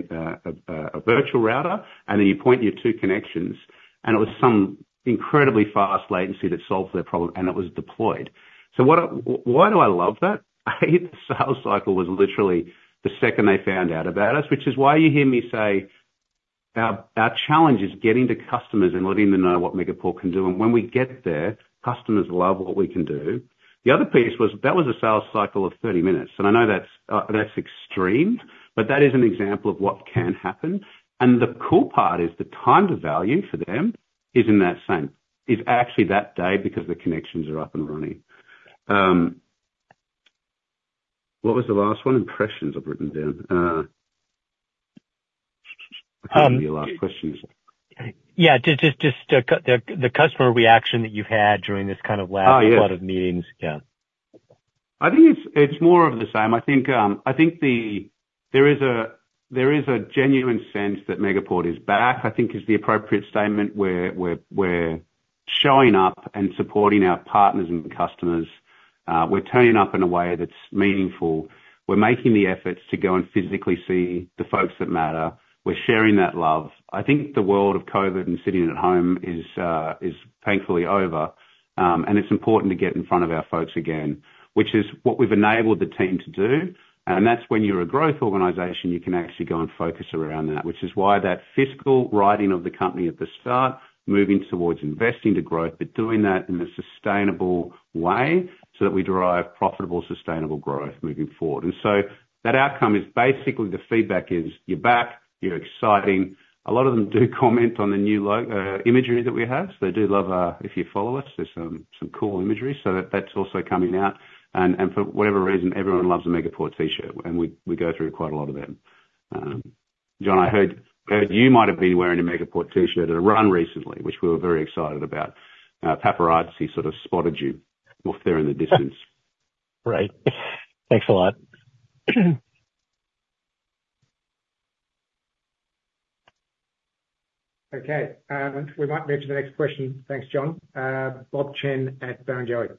virtual router, and then you point your two connections, and it was some incredibly fast latency that solved their problem, and it was deployed. So why do I love that? The sales cycle was literally the second they found out about us, which is why you hear me say our challenge is getting to customers and letting them know what Megaport can do. And when we get there, customers love what we can do. The other piece was, that was a sales cycle of 30 minutes, and I know that's extreme, but that is an example of what can happen. And the cool part is the time to value for them is in that same is actually that day, because the connections are up and running. What was the last one? Impressions, I've written down. Your last questions. Yeah. Just the customer reaction that you've had during this kind of last- Oh, yeah. lot of meetings. Yeah. I think it's more of the same. I think there is a genuine sense that Megaport is back, I think is the appropriate statement. We're showing up and supporting our partners and customers. We're turning up in a way that's meaningful. We're making the efforts to go and physically see the folks that matter. We're sharing that love. I think the world of COVID and sitting at home is thankfully over. And it's important to get in front of our folks again, which is what we've enabled the team to do. That's when you're a growth organization, you can actually go and focus around that, which is why that fiscal riding of the company at the start, moving towards investing to growth, but doing that in a sustainable way, so that we derive profitable, sustainable growth moving forward. So, that outcome is basically the feedback is: You're back. You're exciting. A lot of them do comment on the new logo imagery that we have. So they do love our... If you follow us, there's some cool imagery, so that's also coming out. And for whatever reason, everyone loves a Megaport T-shirt, and we go through quite a lot of them. John, I heard you might have been wearing a Megaport T-shirt at a run recently, which we were very excited about. Paparazzi sort of spotted you off there in the distance. Right. Thanks a lot. Okay, we might move to the next question. Thanks, John. Bob Chen at Barrenjoey.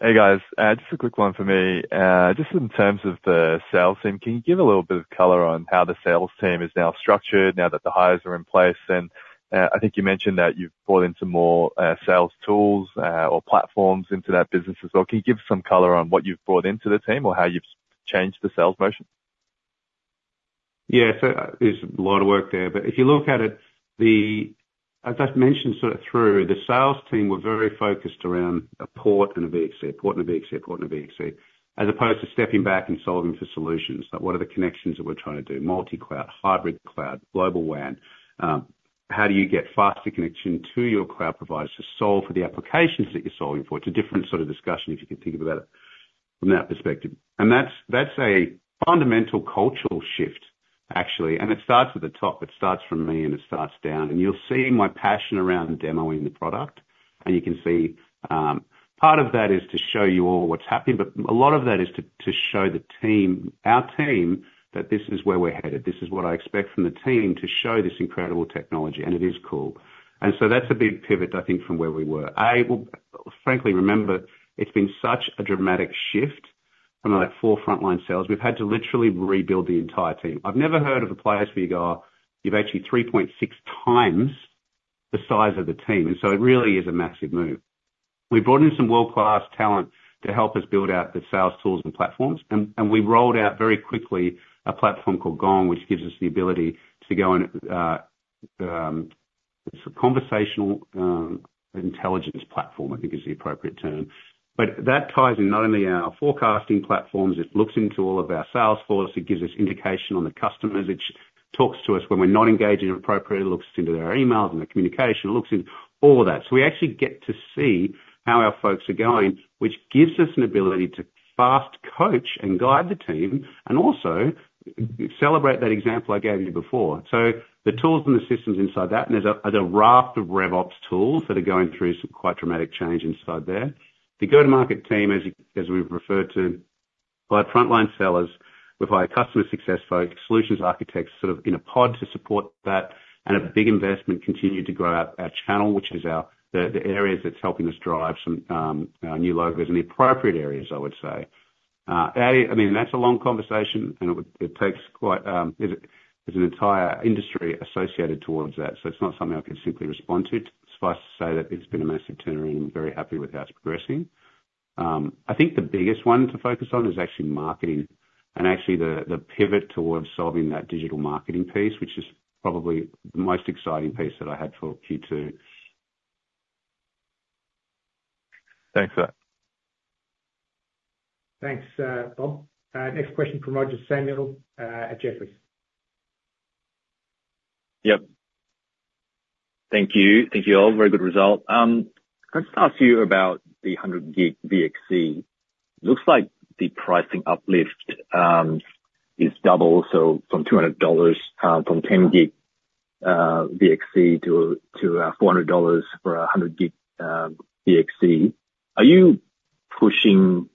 Hey, guys. Just a quick one for me. Just in terms of the sales team, can you give a little bit of color on how the sales team is now structured now that the hires are in place? And, I think you mentioned that you've brought in some more, sales tools, or platforms into that business as well. Can you give some color on what you've brought into the team or how you've changed the sales motion? Yeah. So there's a lot of work there. But if you look at it, as I've mentioned, sort of through the sales team, we're very focused around a port and a VXC, port and a VXC, a port and a VXC, as opposed to stepping back and solving for solutions. But what are the connections that we're trying to do? Multi-cloud, hybrid cloud, Global WAN. How do you get faster connection to your cloud providers to solve for the applications that you're solving for? It's a different sort of discussion, if you can think about it from that perspective. And that's, that's a fundamental cultural shift, actually. And it starts at the top. It starts from me, and it starts down. And you'll see my passion around demoing the product. You can see, part of that is to show you all what's happening, but a lot of that is to show the team, our team, that this is where we're headed. This is what I expect from the team to show this incredible technology, and it is cool. So that's a big pivot, I think, from where we were. I, well, frankly, remember, it's been such a dramatic shift from, like, four frontline sales. We've had to literally rebuild the entire team. I've never heard of a place where you go, you've actually 3.6 times the size of the team, and so it really is a massive move. We brought in some world-class talent to help us build out the sales tools and platforms. We rolled out very quickly a platform called Gong, which gives us the ability to go and it's a conversational intelligence platform, I think is the appropriate term. But that ties in not only our forecasting platforms, it looks into all of our sales force, it gives us indication on the customers. It talks to us when we're not engaging appropriately, looks into their emails and the communication, looks in all of that. So we actually get to see how our folks are going, which gives us an ability to fast coach and guide the team and also celebrate that example I gave you before. So the tools and the systems inside that, and there's a raft of Rev Ops tools that are going through some quite dramatic change inside there. The go-to-market team, as we've referred to, by frontline sellers, we've hired customer success folks, solutions architects, sort of in a pod to support that, and a big investment continued to grow out our channel, which is our - the areas that's helping us drive some, our new logos in the appropriate areas, I would say. I mean, that's a long conversation, and it would - it takes quite, there's an entire industry associated towards that, so it's not something I can simply respond to. Suffice to say that it's been a massive turnaround. I'm very happy with how it's progressing. I think the biggest one to focus on is actually marketing and actually the pivot towards solving that digital marketing piece, which is probably the most exciting piece that I had talked to you to. Thanks for that. Thanks, Bob. Next question from Roger Samuel at Jefferies. Yep. Thank you. Thank you all. Very good result. Can I just ask you about the 100-gig VXC? Looks like the pricing uplift is double, so from 200 dollars from 10-gig VXC to 400 dollars for a 100-gig VXC. Are you pushing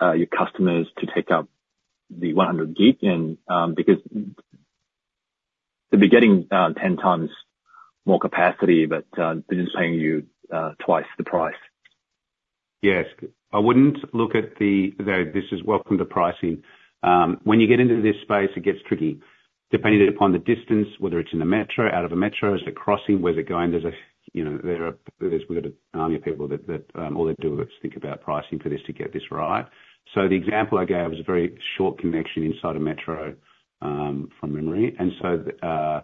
your customers to take up the 100-gig? And because they'd be getting 10 times more capacity, but they're just paying you twice the price. Yes. I wouldn't look at the, this is welcome to pricing. When you get into this space, it gets tricky. Depending upon the distance, whether it's in the metro, out of a metro, is it crossing, where they're going? There is, you know, we've got an army of people that all they do is think about pricing for this to get this right. So the example I gave is a very short connection inside a metro, from memory. And so,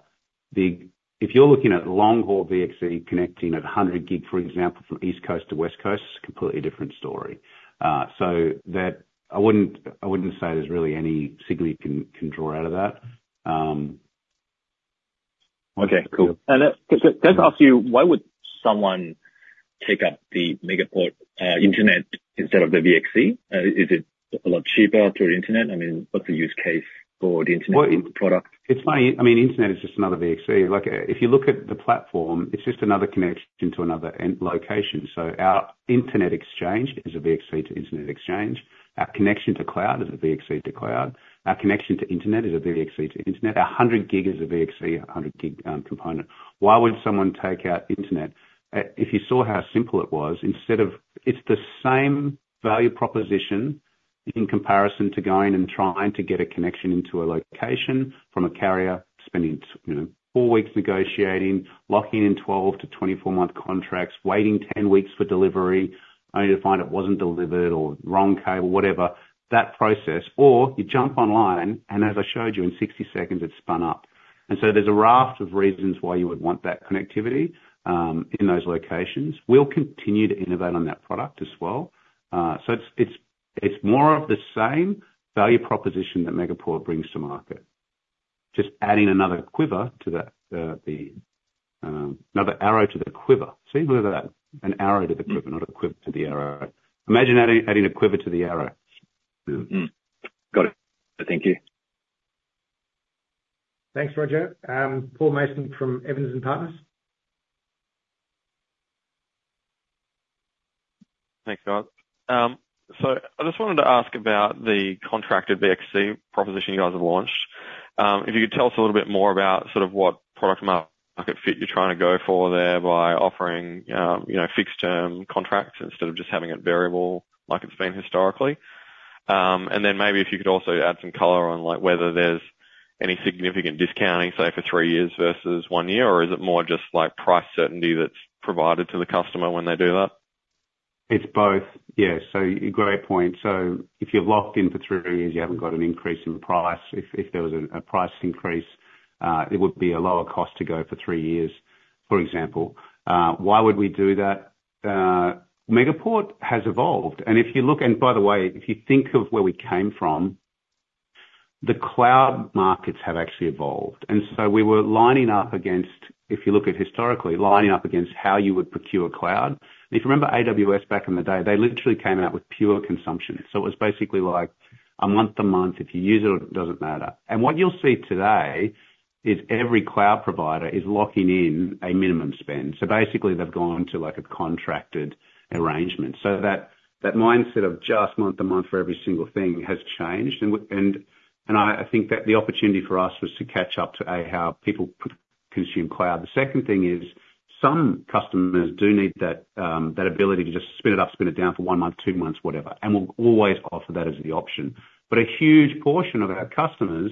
if you're looking at long haul VXC connecting at 100 gig, for example, from East Coast to West Coast, it's a completely different story. So that I wouldn't, I wouldn't say there's really any signal you can draw out of that. Okay, cool. And then, can I just ask you, why would someone take up the Megaport Internet instead of the VXC? Is it a lot cheaper through Internet? I mean, what's the use case for the Internet product? It's funny. I mean, internet is just another VXC. Like, if you look at the platform, it's just another connection to another end location. So our internet exchange is a VXC to internet exchange. Our connection to cloud is a VXC to cloud. Our connection to internet is a VXC to internet. Our 100-gig is a VXC, a 100-gig, component. Why would someone take out internet? If you saw how simple it was, instead of... It's the same value proposition in comparison to going and trying to get a connection into a location from a carrier, spending, you know, four weeks negotiating, locking in 12 month-24 month contracts, waiting 10 weeks for delivery, only to find it wasn't delivered or wrong cable, whatever. That process, or you jump online and as I showed you, in 60 seconds, it's spun up. There's a raft of reasons why you would want that connectivity in those locations. We'll continue to innovate on that product as well. So it's more of the same value proposition that Megaport brings to market. Just adding another arrow to the quiver. An arrow to the quiver, not a quiver to the arrow. Imagine adding a quiver to the arrow. Mm. Got it. Thank you. Thanks, Roger. Paul Mason from Evans and Partners. Thanks, guys. So I just wanted to ask about the contracted VXC proposition you guys have launched. If you could tell us a little bit more about sort of what product market fit you're trying to go for there by offering, you know, fixed term contracts instead of just having it variable like it's been historically. And then maybe if you could also add some color on, like, whether there's any significant discounting, say, for three years versus one year, or is it more just like price certainty that's provided to the customer when they do that? It's both. Yeah, so great point. So if you're locked in for three years, you haven't got an increase in price. If there was a price increase, it would be a lower cost to go for three years, for example. Why would we do that? Megaport has evolved, and if you look... And by the way, if you think of where we came from, the cloud markets have actually evolved. And so we were lining up against, if you look at historically, lining up against how you would procure cloud. If you remember AWS back in the day, they literally came out with pure consumption. So it was basically like a month-to-month, if you use it, it doesn't matter. And what you'll see today is every cloud provider is locking in a minimum spend. So basically they've gone to, like, a contracted arrangement. That mindset of just month to month for every single thing has changed. And I think that the opportunity for us was to catch up to, A, how people consume cloud. The second thing is, some customers do need that, that ability to just spin it up, spin it down for one month, two months, whatever, and we'll always offer that as the option. But a huge portion of our customers,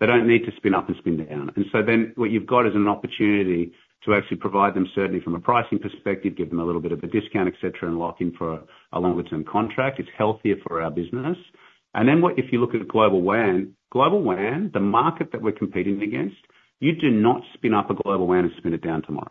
they don't need to spin up and spin down. And so then what you've got is an opportunity to actually provide them, certainly from a pricing perspective, give them a little bit of a discount, et cetera, and lock in for a longer term contract. It's healthier for our business. And then, if you look at Global WAN, Global WAN, the market that we're competing against, you do not spin up a Global WAN and spin it down tomorrow.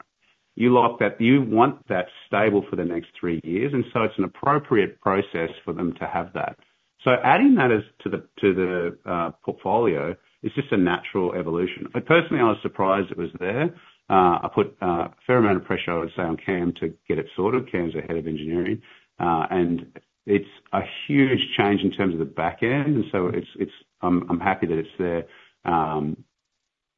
You lock that. You want that stable for the next three years, and so it's an appropriate process for them to have that. So adding that to the portfolio is just a natural evolution. I personally, I was surprised it was there. I put a fair amount of pressure, I would say, on Cam to get it sorted. Cam's the head of engineering, and it's a huge change in terms of the back end, and so it's... I'm happy that it's there.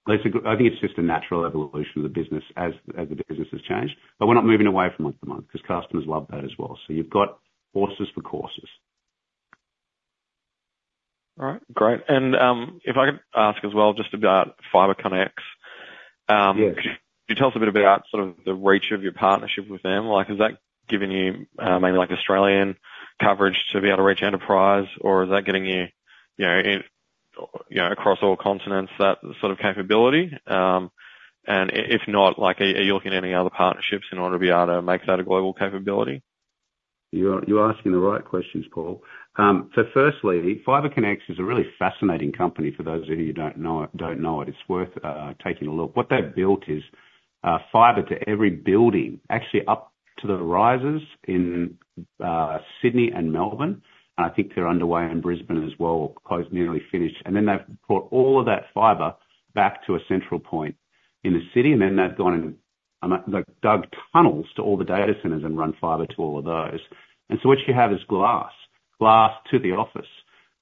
It's a natural evolution of the business as the business has changed. But we're not moving away from month to month because customers love that as well. You've got horses for courses. All right, great. And, if I could ask as well, just about FibreconX? Yes. Could you tell us a bit about sort of the reach of your partnership with them? Like, has that given you, maybe like Australian coverage to be able to reach enterprise, or is that getting you, you know, in, you know, across all continents, that sort of capability? And if not, like, are you looking at any other partnerships in order to be able to make that a global capability? You're asking the right questions, Paul. So firstly, FibreconX is a really fascinating company, for those of you who don't know it. It's worth taking a look. What they've built is fiber to every building, actually up to the risers in Sydney and Melbourne. I think they're underway in Brisbane as well, or close to nearly finished. And then they've brought all of that fiber back to a central point in the city, and then they've gone and they've dug tunnels to all the data centers and run fiber to all of those. And so what you have is glass to the office.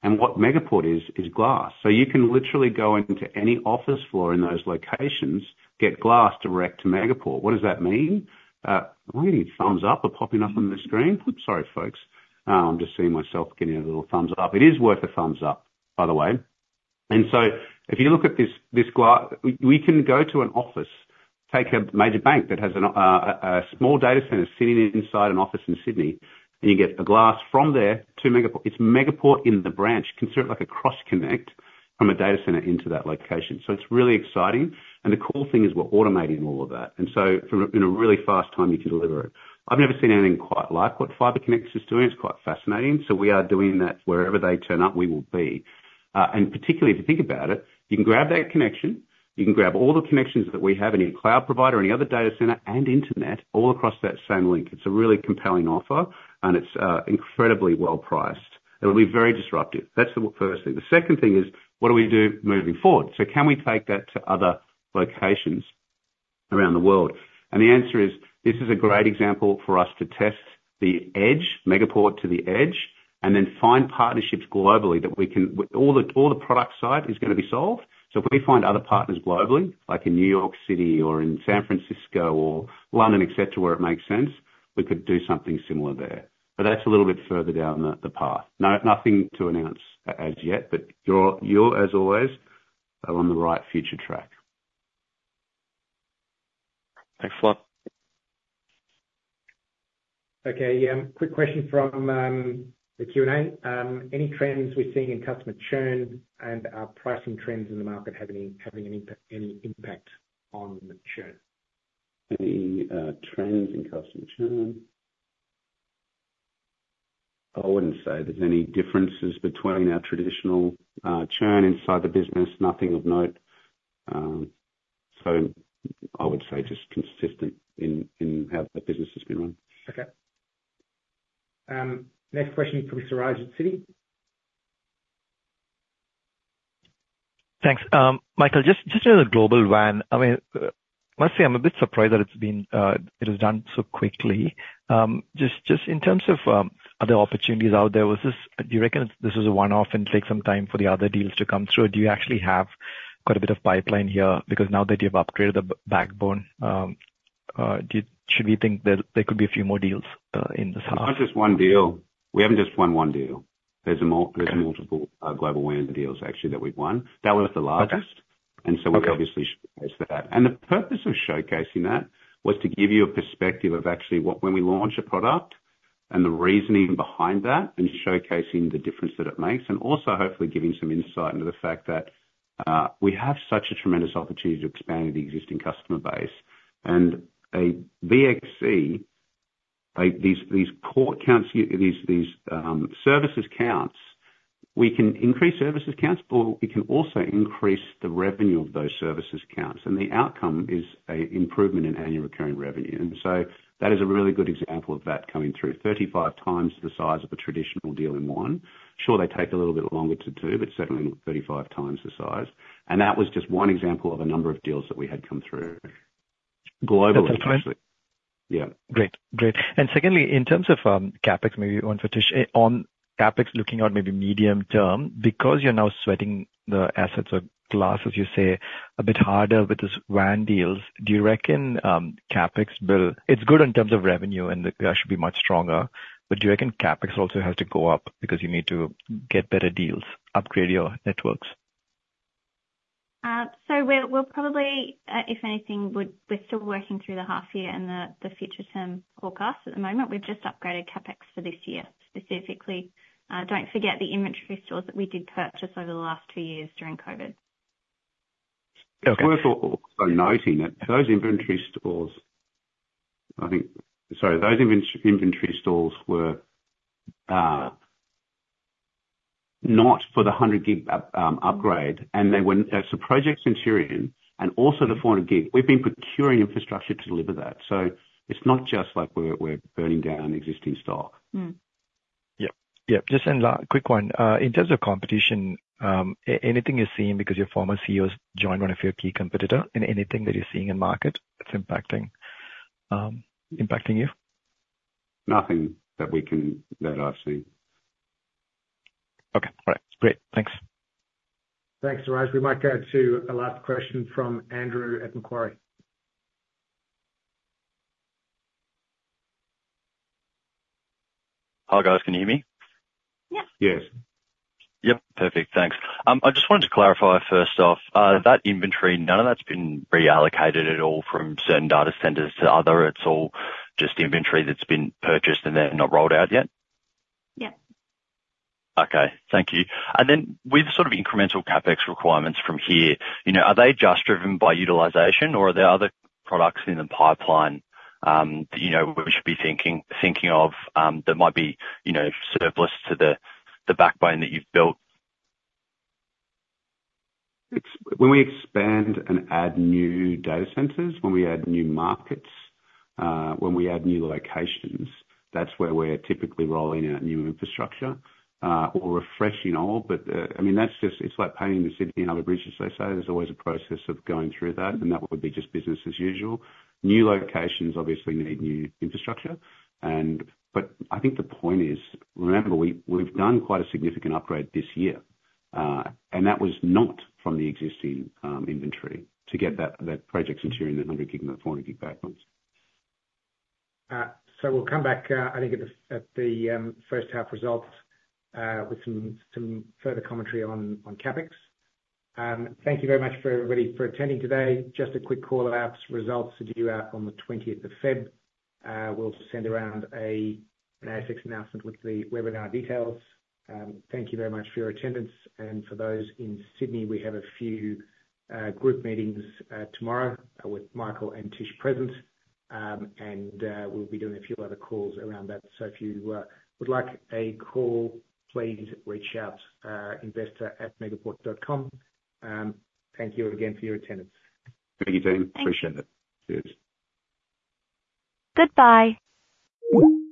And what Megaport is, is glass. So you can literally go into any office floor in those locations, get glass direct to Megaport. What does that mean? Why are there thumbs up are popping up on the screen? Oops, sorry, folks. I'm just seeing myself getting a little thumbs up. It is worth a thumbs up, by the way. And so if you look at this, we can go to an office, take a major bank that has a small data center sitting inside an office in Sydney, and you get a glass from there to Megaport. It's Megaport in the branch, consider it like a cross connect from a data center into that location. So it's really exciting, and the cool thing is we're automating all of that. And so in a really fast timing to deliver it. I've never seen anything quite like what FibreconX is doing. It's quite fascinating, so we are doing that. Wherever they turn up, we will be.... And particularly, if you think about it, you can grab that connection, you can grab all the connections that we have in any cloud provider or any other data center and internet all across that same link. It's a really compelling offer, and it's incredibly well priced. It'll be very disruptive. That's the first thing. The second thing is, what do we do moving forward? So can we take that to other locations around the world? And the answer is: this is a great example for us to test the edge, Megaport to the edge, and then find partnerships globally that we can-- all the product side is gonna be solved. So if we find other partners globally, like in New York City or in San Francisco or London, et cetera, where it makes sense, we could do something similar there. But that's a little bit further down the path. Nothing to announce as yet, but you, as always, are on the right future track. Thanks a lot. Okay, quick question from the Q&A. Any trends we're seeing in customer churn and are pricing trends in the market having any impact on the churn? Any trends in customer churn? I wouldn't say there's any differences between our traditional churn inside the business, nothing of note. So I would say just consistent in how the business has been run. Okay. Next question from Suraj at Citi. Thanks. Michael, just as a Global WAN, I mean, lastly, I'm a bit surprised that it's been, it was done so quickly. Just in terms of other opportunities out there, was this... Do you reckon this is a one-off and take some time for the other deals to come through? Do you actually have quite a bit of pipeline here, because now that you've upgraded the backbone, should we think that there could be a few more deals in the summer? Not just one deal. We haven't just won one deal. There's a mul- Okay. There's multiple, Global WAN deals actually, that we've won. That one was the largest- Okay. - and so we obviously showcased that. The purpose of showcasing that was to give you a perspective of actually what - when we launch a product and the reasoning behind that, and showcasing the difference that it makes, and also hopefully giving some insight into the fact that we have such a tremendous opportunity to expand the existing customer base. A VXC, like these core counts, these services counts, we can increase services counts, but we can also increase the revenue of those services counts, and the outcome is a improvement in annual recurring revenue. And so that is a really good example of that coming through. 35 times the size of a traditional deal in one. Sure, they take a little bit longer to do, but certainly 35 times the size. And that was just one example of a number of deals that we had come through globally, actually. That's excellent. Yeah. Great. Great. Secondly, in terms of CapEx, maybe one for Tish. On CapEx, looking out maybe medium term, because you're now sweating the assets or glass, as you say, a bit harder with this WAN deals, do you reckon CapEx will... It's good in terms of revenue, and the growth should be much stronger, but do you reckon CapEx also has to go up because you need to get better deals, upgrade your networks? So we'll probably, if anything, we're still working through the half year and the future term forecast at the moment. We've just upgraded CapEx for this year, specifically. Don't forget the inventory stores that we did purchase over the last two years during COVID. It's worth also noting that those inventory stores, I think. Sorry, those inventory stores were not for the 100-gig upgrade, and they were so Project Centurion and also the 400-gig. We've been procuring infrastructure to deliver that. So it's not just like we're burning down existing stock. Mm. Yep. Yep, just a quick one. In terms of competition, anything you're seeing because your former CEO's joined one of your key competitor, and anything that you're seeing in market that's impacting, impacting you? Nothing that we can... That I see. Okay, all right. Great. Thanks. Thanks, Suraj. We might go to a last question from Andrew at Macquarie. Hi, guys. Can you hear me? Yes. Yes. Yep. Perfect. Thanks. I just wanted to clarify first off, that inventory, none of that's been reallocated at all from certain data centers to other? It's all just inventory that's been purchased and then not rolled out yet. Yep. Okay. Thank you. And then with sort of incremental CapEx requirements from here, you know, are they just driven by utilization, or are there other products in the pipeline, that, you know, we should be thinking of, that might be, you know, surplus to the backbone that you've built? When we expand and add new data centers, when we add new markets, when we add new locations, that's where we're typically rolling out new infrastructure, or refreshing old. But I mean, that's just like painting the Sydney Harbour Bridge, as they say. There's always a process of going through that, and that would be just business as usual. New locations obviously need new infrastructure. But I think the point is, remember, we've done quite a significant upgrade this year, and that was not from the existing inventory, to get that Project Centurion, the 100 gig and the 400 gig backbones. So we'll come back, I think, at the first half results, with some further commentary on CapEx. Thank you very much for everybody for attending today. Just a quick call, our next results are due out on the twentieth of February. We'll send around an ASX announcement with the webinar details. Thank you very much for your attendance. And for those in Sydney, we have a few group meetings tomorrow, with Michael and Tish present. And we'll be doing a few other calls around that. So if you would like a call, please reach out, investor@megaport.com. Thank you again for your attendance. Thank you, too. Thanks. Appreciate it. Cheers. Goodbye.